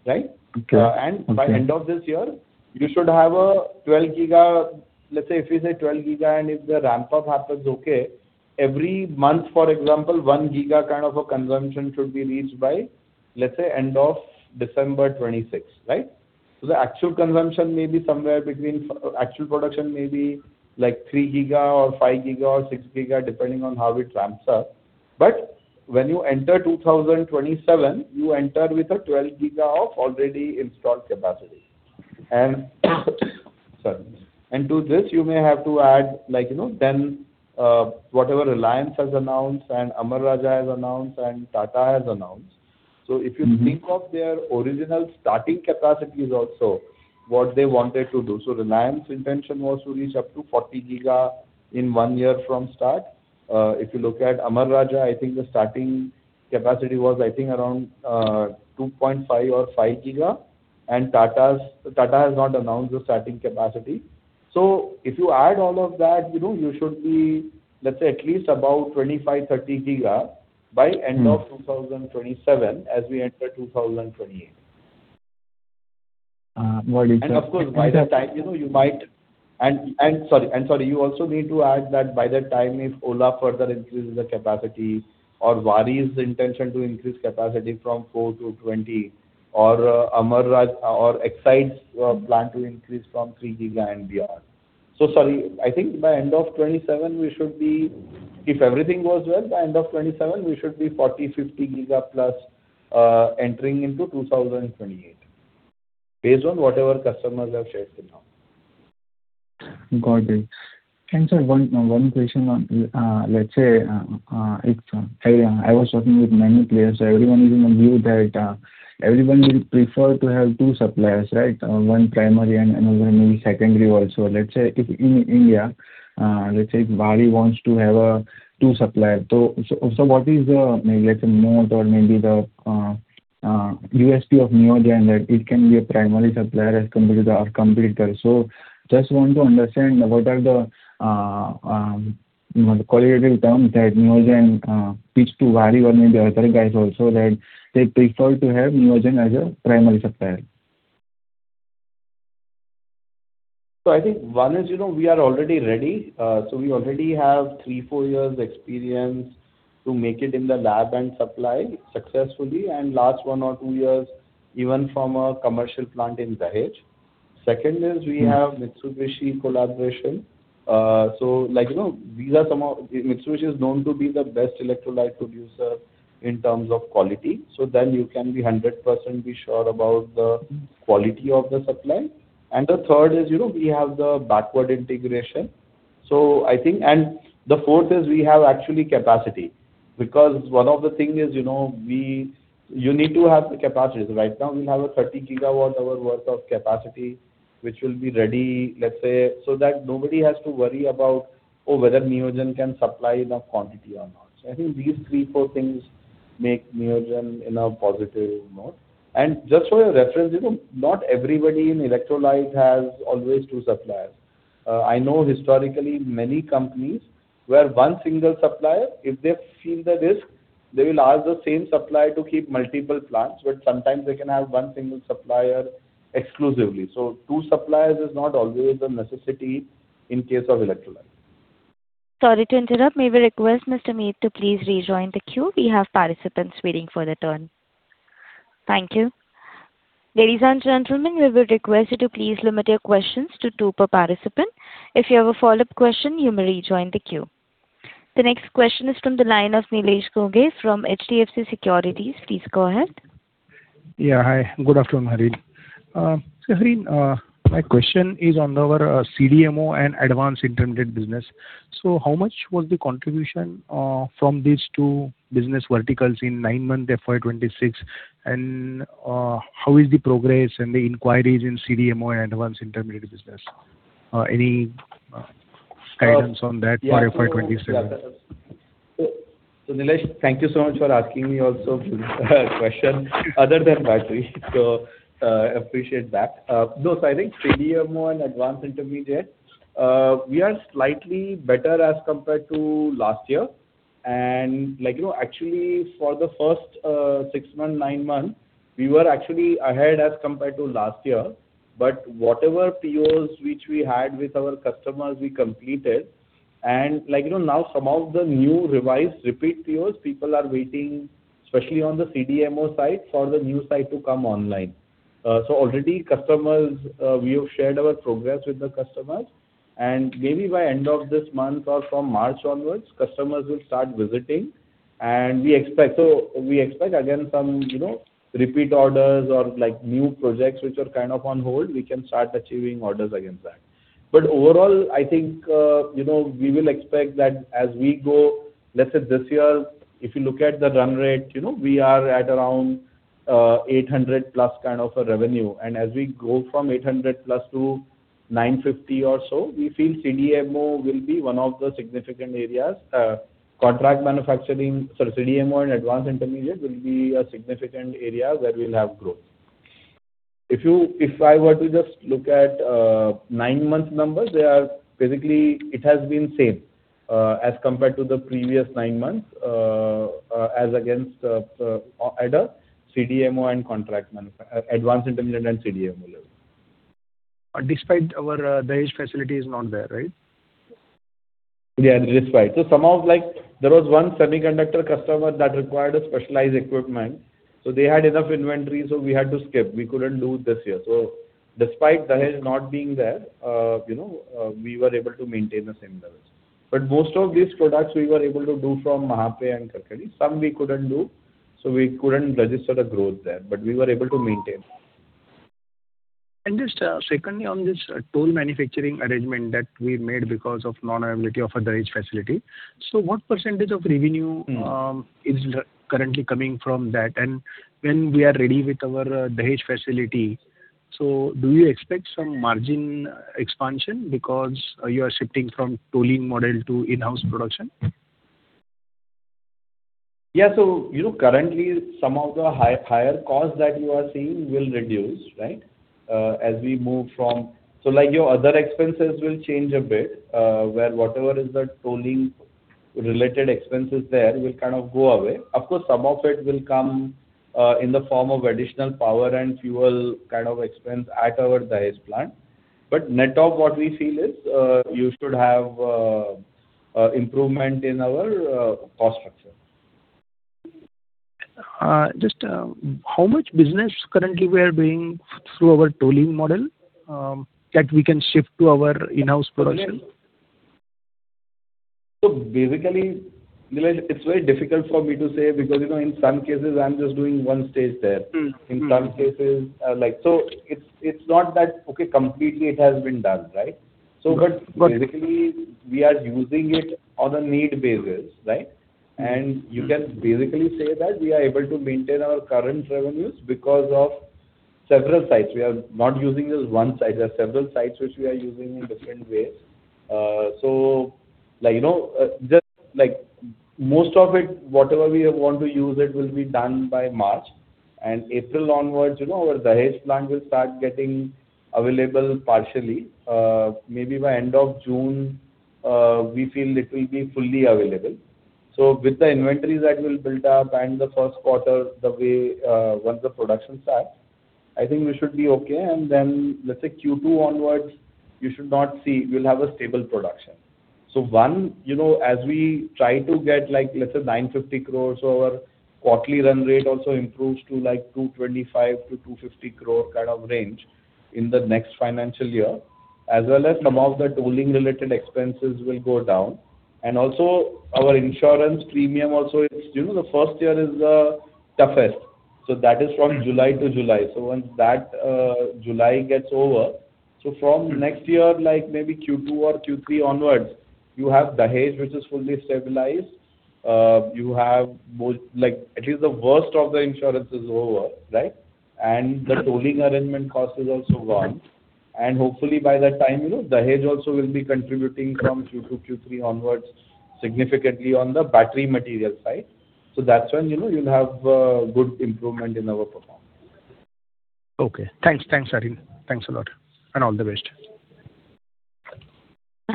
right? Okay. By end of this year, you should have 12 GWh. Let's say, if we say 12 GWh, and if the ramp-up happens okay, every month, for example, 1 GWh kind of a consumption should be reached by, let's say, end of December 2026, right? So the actual consumption may be somewhere between actual production may be like 3 GWh, or 5 GWh, or 6 GWh, depending on how it ramps up. But when you enter 2027, you enter with a 12 GWh of already installed capacity. And, sorry, and to this, you may have to add, like, you know, then, whatever Reliance has announced, and Amara Raja has announced, and Tata has announced. So if you think of their original starting capacities also, what they wanted to do. So Reliance intention was to reach up to 40 GWh in one year from start. If you look at Amara Raja, I think the starting capacity was, I think, around, two point five or five GWh, and Tata's, Tata has not announced the starting capacity. So if you add all of that, you know, you should be, let's say, at least about 25-30 GWh by end of 2027, as we enter 2028. Got it. Of course, by that time, you know, you might and sorry, you also need to add that by the time if Ola further increases the capacity, or Waaree's intention to increase capacity from 4 to 20, or Amara Raja or Exide's plan to increase from 3 GWh and beyond. So, sorry, I think by end of 2027, we should be—if everything goes well, by end of 2027, we should be 40-50 GWh plus entering into 2028, based on whatever customers have shared till now. Got it. And, sir, one question on, let's say. I was talking with many players. So everyone is in a view that everyone will prefer to have two suppliers, right? One primary and another maybe secondary also. Let's say if in India, let's say Waaree wants to have a two suppliers. So what is the, maybe, let's say, moat or maybe the USP of Neogen, that it can be a primary supplier as compared to the competitor? So just want to understand what are the qualitative terms that Neogen pitch to Waaree or maybe other guys also, that they prefer to have Neogen as a primary supplier. So I think one is, you know, we are already ready. So we already have three-four years experience to make it in the lab and supply successfully, and last one-two years, even from a commercial plant in Dahej. Second is. We have Mitsubishi collaboration. So, like, you know, these are some of the—Mitsubishi is known to be the best electrolyte producer in terms of quality, so then you can be 100% sure about the quality of the supply. And the third is, you know, we have the backward integration. So I think—and the fourth is we have actually capacity, because one of the thing is, you know, we—you need to have the capacity. Right now, we have a 30 GWh worth of capacity, which will be ready, let's say, so that nobody has to worry about, oh, whether Neogen can supply enough quantity or not. So I think these three, four things make Neogen in a positive moat. And just for your reference, you know, not everybody in electrolyte has always two suppliers. I know historically many companies where one single supplier, if they feel the risk, they will ask the same supplier to keep multiple plants, but sometimes they can have one single supplier exclusively. So two suppliers is not always a necessity in case of electrolyte. Sorry to interrupt. May we request Mr. Amit to please rejoin the queue? We have participants waiting for their turn. Thank you. Ladies and gentlemen, we will request you to please limit your questions to two per participant. If you have a follow-up question, you may rejoin the queue. The next question is from the line of Nilesh Ghuge from HDFC Securities. Please go ahead. Yeah. Hi, good afternoon, Harin. So Harin, my question is on our CDMO and advanced intermediate business. So how much was the contribution from these two business verticals in nine months, FY 2026? And how is the progress and the inquiries in CDMO and advanced intermediate business? Any guidance on that for FY 2027? So, Nilesh, thank you so much for asking me also question other than battery. So, appreciate that. No, so I think CDMO and advanced intermediate, we are slightly better as compared to last year. And like, you know, actually, for the first six months, nine months, we were actually ahead as compared to last year. But whatever POs which we had with our customers, we completed. And like, you know, now some of the new revised repeat POs, people are waiting, especially on the CDMO side, for the new site to come online. So already customers, we have shared our progress with the customers, and maybe by end of this month or from March onwards, customers will start visiting, and we expect, so we expect again, some, you know, repeat orders or like, new projects which are kind of on hold, we can start achieving orders against that. But overall, I think, you know, we will expect that as we go, let's say this year, if you look at the run rate, you know, we are at 800+ kind of a revenue. And as we go from 800+ to 950 or so, we feel CDMO will be one of the significant areas. Contract manufacturing, sorry, CDMO and advanced intermediate will be a significant area where we'll have growth. If I were to just look at nine-month numbers, they are basically it has been same, as compared to the previous nine months, as against at a CDMO and contract manufa- advanced intermediate and CDMO level. But despite our Dahej facility is not there, right? Yeah, despite. So some of like, there was one semiconductor customer that required a specialized equipment, so they had enough inventory, so we had to skip. We couldn't do this year. So despite Dahej not being there, you know, we were able to maintain the same levels. But most of these products we were able to do from Mahape and Karakhadi. Some we couldn't do, so we couldn't register the growth there, but we were able to maintain. Just, secondly, on this toll manufacturing arrangement that we made because of non-availability of our Dahej facility. What percentage of revenue is currently coming from that? And when we are ready with our Dahej facility, so do you expect some margin expansion because you are shifting from tolling model to in-house production? Yeah. So, you know, currently some of the high, higher costs that you are seeing will reduce, right? As we move from. So like your other expenses will change a bit, where whatever is the tolling related expenses there will kind of go away. Of course, some of it will come in the form of additional power and fuel kind of expense at our Dahej plant. But net of what we feel is, you should have improvement in our cost structure. Just, how much business currently we are doing through our tolling model that we can shift to our in-house production? So basically, Nilesh, it's very difficult for me to say, because, you know, in some cases I'm just doing one stage there. In some cases, so it's, it's not that, okay, completely it has been done, right? Yeah. Basically, we are using it on a need basis, right? You can basically say that we are able to maintain our current revenues because of several sites. We are not using just one site, there are several sites which we are using in different ways. So like, you know, just like most of it, whatever we want to use, it will be done by March, and April onwards, you know, our Dahej plant will start getting available partially. Maybe by end of June, we feel it will be fully available. So with the inventories that will build up and the first quarter, the way, once the production starts, I think we should be okay. And then, let's say, Q2 onwards, you should not see. We'll have a stable production. So one, you know, as we try to get, like, let's say, 950 crore, our quarterly run rate also improves to like 225 crore-250 crore kind of range in the next financial year, as well as some of the tolling-related expenses will go down. And also our insurance premium also it's, you know, the first year is the toughest. So that is from July to July. So once that July gets over, so from next year, like maybe Q2 or Q3 onwards, you have Dahej, which is fully stabilized. You have both, like, at least the worst of the insurance is over, right? The tolling arrangement cost is also gone. Hopefully, by that time, you know, Dahej also will be contributing from Q2, Q3 onwards significantly on the battery material side. That's when, you know, you'll have good improvement in our performance. Okay. Thanks. Thanks, Harin. Thanks a lot, and all the best.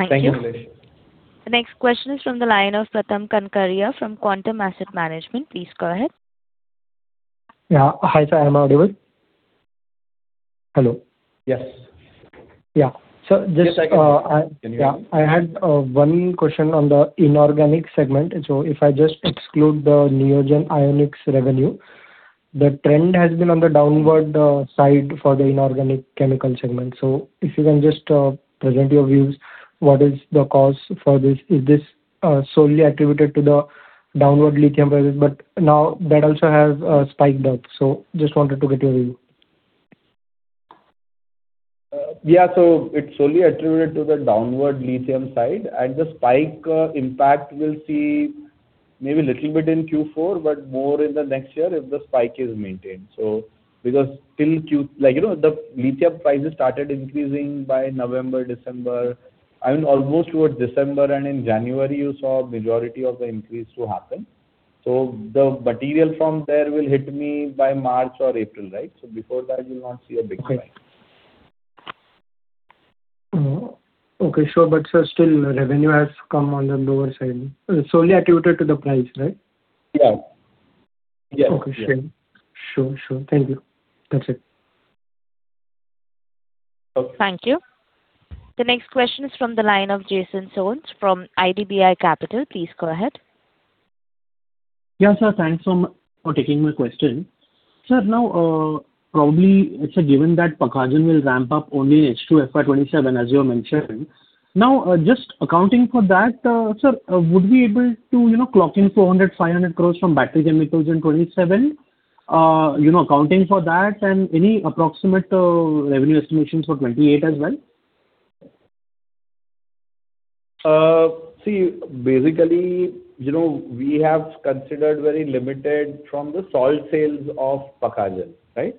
Thank you, Nilesh. Thank you. The next question is from the line of Pratham Kankaria from Quantum Asset Management. Please go ahead. Yeah. Hi, sir, am I audible? Hello. Yes. Yeah. So just, Yes, I can hear. Yeah, I had one question on the inorganic segment. So if I just exclude the Neogen Ionics revenue, the trend has been on the downward side for the inorganic chemical segment. So if you can just present your views, what is the cause for this? Is this solely attributed to the downward lithium prices? But now that also has spiked up. So just wanted to get your view. Yeah, so it's solely attributed to the downward lithium side, and the spike impact will see maybe a little bit in Q4, but more in the next year if the spike is maintained. So because like, you know, the lithium prices started increasing by November, December, and almost towards December and in January, you saw majority of the increase to happen. So the material from there will hit me by March or April, right? So before that, you'll not see a big spike. Okay, sure. But, sir, still, revenue has come on the lower side. It's solely attributed to the price, right? Yeah. Yeah. Okay, sure. Sure, sure. Thank you. That's it. Okay. Thank you. The next question is from the line of Jason Soans from IDBI Capital. Please go ahead. Yeah, sir, thanks for, for taking my question. Sir, now, probably it's a given that Pakhajan will ramp up only H2 FY 27, as you have mentioned. Now, just accounting for that, sir, would we able to, you know, clock in 400-500 crore from battery chemicals in 27? You know, accounting for that and any approximate, revenue estimations for 28 as well? See, basically, you know, we have considered very limited from the salt sales of Pakhajan, right?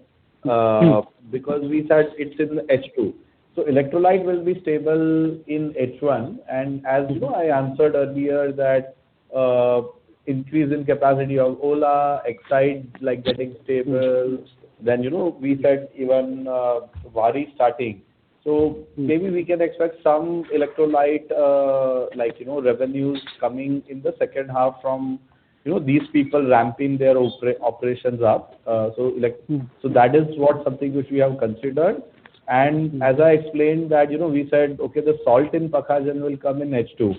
Because we said it's in H2. So electrolyte will be stable in H1. And as, you know, I answered earlier that increase in capacity of Ola, Exide, like, getting stable. Then, you know, we said even, Waaree starting. So, maybe we can expect some electrolyte, like, you know, revenues coming in the second half from, you know, these people ramping their operations up. So like So that is what something which we have considered. And as I explained that, you know, we said, okay, the salt in Pakhajan will come in H2.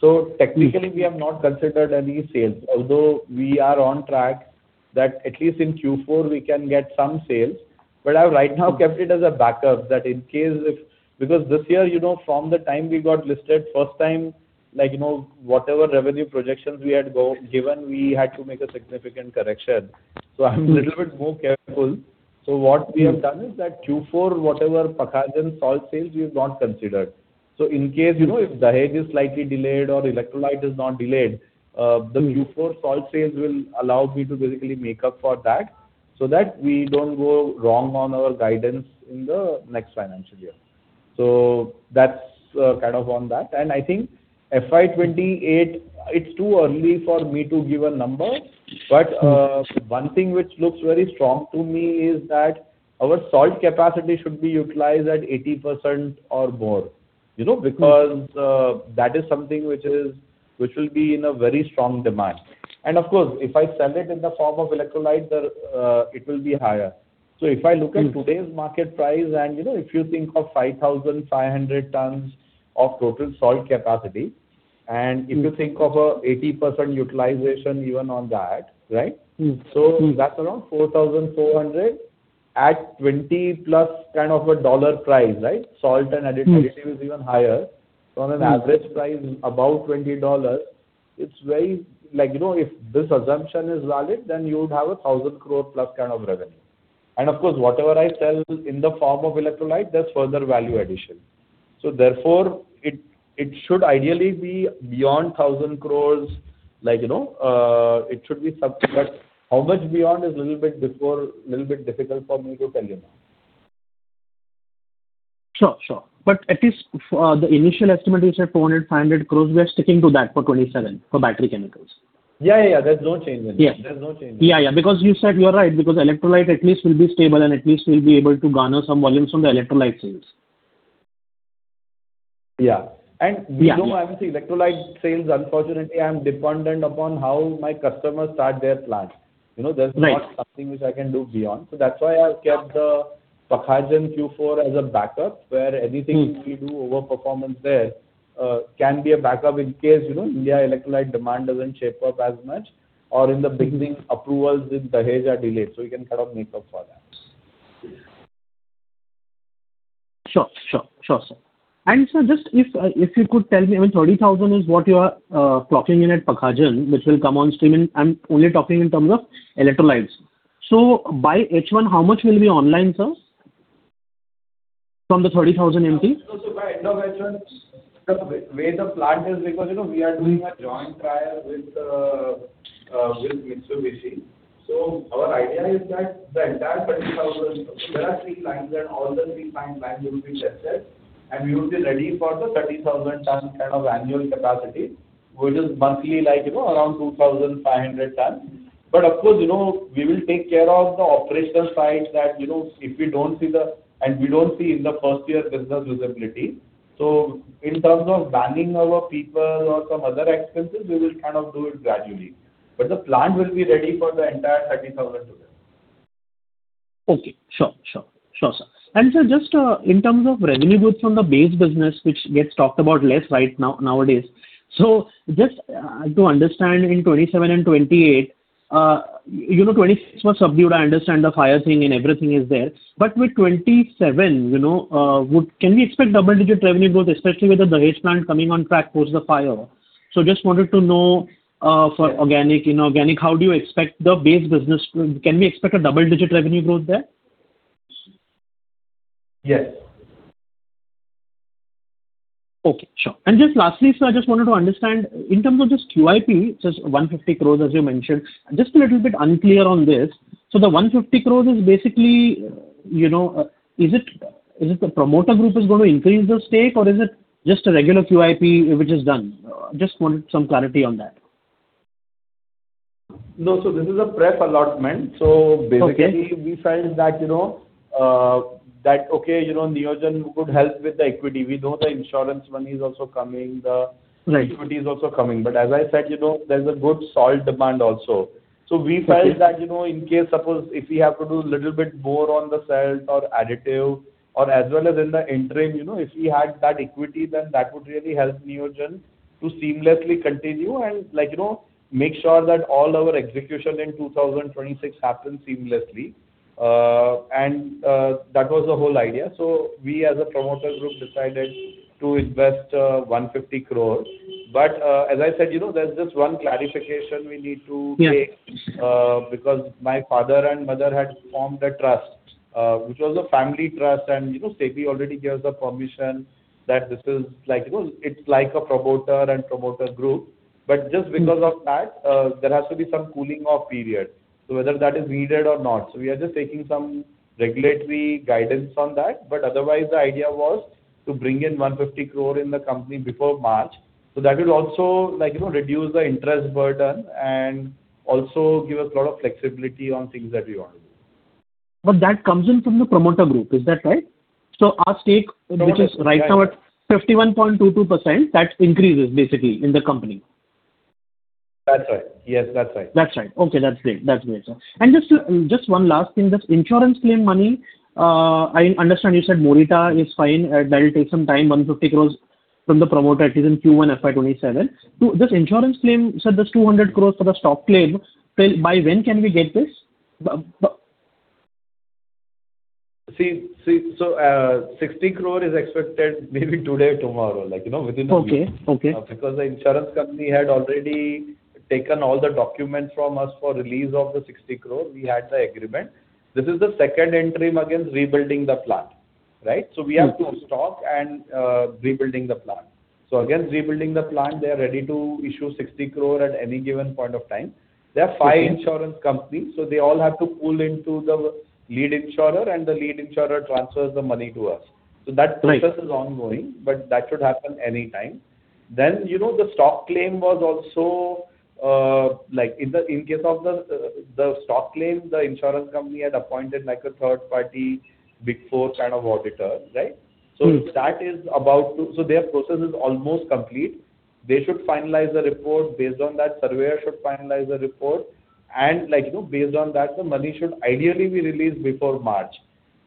So technically. We have not considered any sales although we are on track, that at least in Q4 we can get some sales. But I've right now kept it as a backup that in case if. Because this year, you know, from the time we got listed first time, like, you know, whatever revenue projections we had go, given, we had to make a significant correction. So I'm little bit more careful. So what we have done is that Q4, whatever Pakhajan salt sales, we've not considered. So in case, you know, if Dahej is slightly delayed or electrolyte is not delayed. The Q4 salt sales will allow me to basically make up for that, so that we don't go wrong on our guidance in the next financial year. So that's kind of on that. And I think FY28, it's too early for me to give a number. But one thing which looks very strong to me is that our salt capacity should be utilized at 80% or more. You know, because that is something which is, which will be in a very strong demand. And of course, if I sell it in the form of electrolyte, there, it will be higher. So if I look at today's market price and, you know, if you think of 5,500 tons of total salt capacity, and if you think of 80% utilization even on that, right? So that's around 4,400 at $20+ kind of a dollar price, right? Salt and additive is even higher. From an average price above $20, it's very like, you know, if this assumption is valid, then you would have 1,000 crore+ kind of revenue. And of course, whatever I sell in the form of electrolyte, there's further value addition. So therefore, it should ideally be beyond 1,000 crore, like, you know, it should be something, but how much beyond is little bit before, little bit difficult for me to tell you now. Sure, sure. But at least for the initial estimate, you said 400 crore-500 crore, we are sticking to that for 2027, for battery chemicals. Yeah, yeah, there's no change in it. Yeah. There's no change. Yeah, yeah, because you said you are right, because electrolyte at least will be stable, and at least we'll be able to garner some volumes from the electrolyte sales. Yeah. Yeah. You know, obviously, electrolyte sales, unfortunately, I'm dependent upon how my customers start their plant. You know. Nice there's not something which I can do beyond. So that's why I've kept the Pakhajan Q4 as a backup, where anything we do over-performance there can be a backup in case, you know, India electrolyte demand doesn't shape up as much, or in the beginning, approvals in Dahej are delayed, so we can kind of make up for that. Sure, sure, sure, sir. And sir, just if you could tell me when 30,000 is what you are clocking in at Pakhajan, which will come on stream in. I'm only talking in terms of electrolytes. So by H1, how much will be online, sir, from the 30,000 MP? So by end of H1, the way the plant is, because, you know, we are doing a joint trial with Mitsubishi. So our idea is that the entire 30,000, there are three lines, and all the three lines will be tested, and we will be ready for the 30,000 ton kind of annual capacity, which is monthly, like, you know, around 2,500 ton. But of course, you know, we will take care of the operational side that, you know, if we don't see. And we don't see in the first year business visibility. So in terms of manning our people or some other expenses, we will kind of do it gradually, but the plant will be ready for the entire 30,000 ton. Okay. Sure, sure, sure, sir. And sir, just in terms of revenue growth from the base business, which gets talked about less right now, nowadays. So just to understand, in 27 and 28, you know, 26 was subdued. I understand the fire thing and everything is there. But with 27, you know, would, can we expect double-digit revenue growth, especially with the Dahej plant coming on track post the fire? So just wanted to know, for organic, in organic, how do you expect the base business to. Can we expect a double-digit revenue growth there? Yes. Okay, sure. And just lastly, sir, I just wanted to understand, in terms of this QIP, just 150 crores, as you mentioned, just a little bit unclear on this. So the 150 crores is basically, you know, is it, is it the promoter group is going to increase the stake, or is it just a regular QIP which is done? Just wanted some clarity on that. No, so this is a pref allotment. Okay. So basically, we felt that, you know, that okay, you know, Neogen could help with the equity. We know the insurance money is also coming. The equity is also coming. But as I said, you know, there's a good salt demand also. Okay. So we felt that, you know, in case, suppose if we have to do little bit more on the salt or additive or as well as in the interim, you know, if we had that equity, then that would really help Neogen to seamlessly continue and like, you know, make sure that all our execution in 2026 happens seamlessly. And that was the whole idea. So we as a promoter group decided to invest 150 crore. But as I said, you know, there's just one clarification we need to take because my father and mother had formed a trust which was a family trust. And you know, SEBI already gave us the permission that this is like, you know, it's like a promoter and promoter group. But just because of that, there has to be some cooling-off period. So whether that is needed or not. So we are just taking some regulatory guidance on that. But otherwise, the idea was to bring in 150 crore in the company before March. So that will also like, you know, reduce the interest burden and also give us a lot of flexibility on things that we want to do. But that comes in from the promoter group. Is that right? So our stake, which is right now at 51.22%, that increases basically in the company. That's right. Yes, that's right. That's right. Okay, that's great. That's great. And just one last thing, this insurance claim money, I understand you said Morita is fine. That will take some time, 150 crore from the promoter. It is in Q1 FY 2027. So this insurance claim, sir, this 200 crore for the stock claim, tell by when can we get this? 60 crore is expected maybe today or tomorrow, like, you know, within a week. Okay, okay. Because the insurance company had already taken all the documents from us for release of the 60 crore. We had the agreement. This is the second interim against rebuilding the plant, right? So we have two, stock and, rebuilding the plant. So against rebuilding the plant, they are ready to issue 60 crore at any given point of time. There are 5 insurance companies, so they all have to pool into the lead insurer, and the lead insurer transfers the money to us. Right. So that process is ongoing, but that should happen anytime. Then, you know, the stock claim was also like in the case of the stock claim, the insurance company had appointed like a third party before kind of auditor, right? So their process is almost complete. They should finalize the report. Based on that, surveyor should finalize the report. And like, you know, based on that, the money should ideally be released before March. Okay.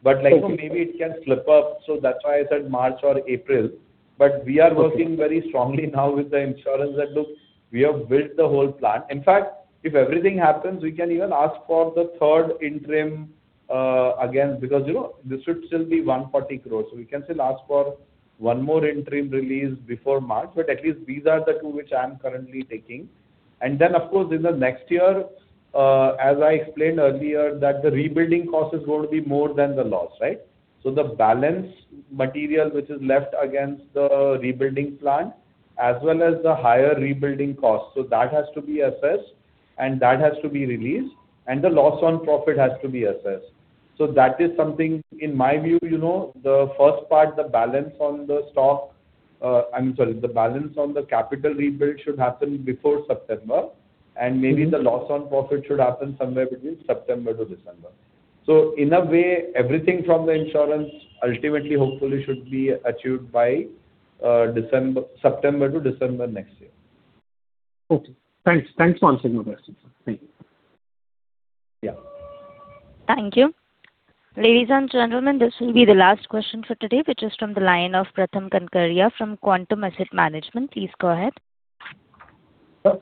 But like, maybe it can slip up. So that's why I said March or April. Okay. But we are working very strongly now with the insurance that, look, we have built the whole plant. In fact, if everything happens, we can even ask for the third interim again, because, you know, this should still be 140 crores. So we can still ask for one more interim release before March, but at least these are the two which I am currently taking. And then, of course, in the next year, as I explained earlier, that the rebuilding cost is going to be more than the loss, right? So the balance material, which is left against the rebuilding plant, as well as the higher rebuilding costs, so that has to be assessed and that has to be released, and the loss on profit has to be assessed. So that is something, in my view, you know, the first part, the balance on the stock, I'm sorry, the balance on the capital rebuild should happen before September, and maybe the loss on profit should happen somewhere between September to December. So in a way, everything from the insurance ultimately, hopefully, should be achieved by December—September to December next year. Okay, thanks. Thanks for answering my question, sir. Thank you. Yeah. Thank you. Ladies and gentlemen, this will be the last question for today, which is from the line of Pratham Kankaria from Quantum Asset Management. Please go ahead.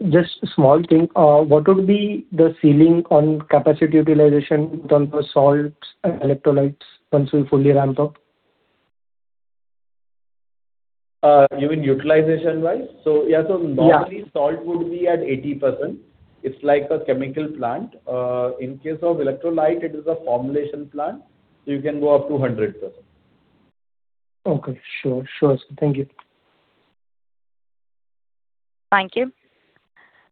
Just a small thing. What would be the ceiling on capacity utilization in terms of salts and electrolytes once you're fully ramped up? You mean utilization-wise? So, yeah. Yeah. So normally, salt would be at 80%. It's like a chemical plant. In case of electrolyte, it is a formulation plant, so you can go up to 100%. Okay. Sure, sure. Thank you. Thank you.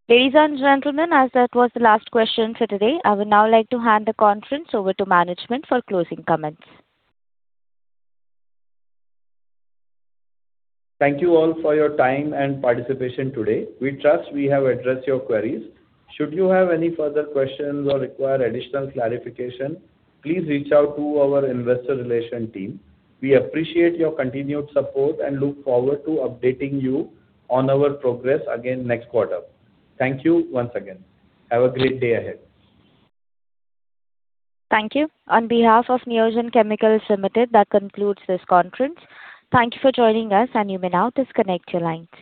Ladies and gentlemen, as that was the last question for today, I would now like to hand the conference over to management for closing comments. Thank you all for your time and participation today. We trust we have addressed your queries. Should you have any further questions or require additional clarification, please reach out to our investor relation team. We appreciate your continued support and look forward to updating you on our progress again next quarter. Thank you once again. Have a great day ahead. Thank you. On behalf of Neogen Chemicals Limited, that concludes this conference. Thank you for joining us, and you may now disconnect your lines.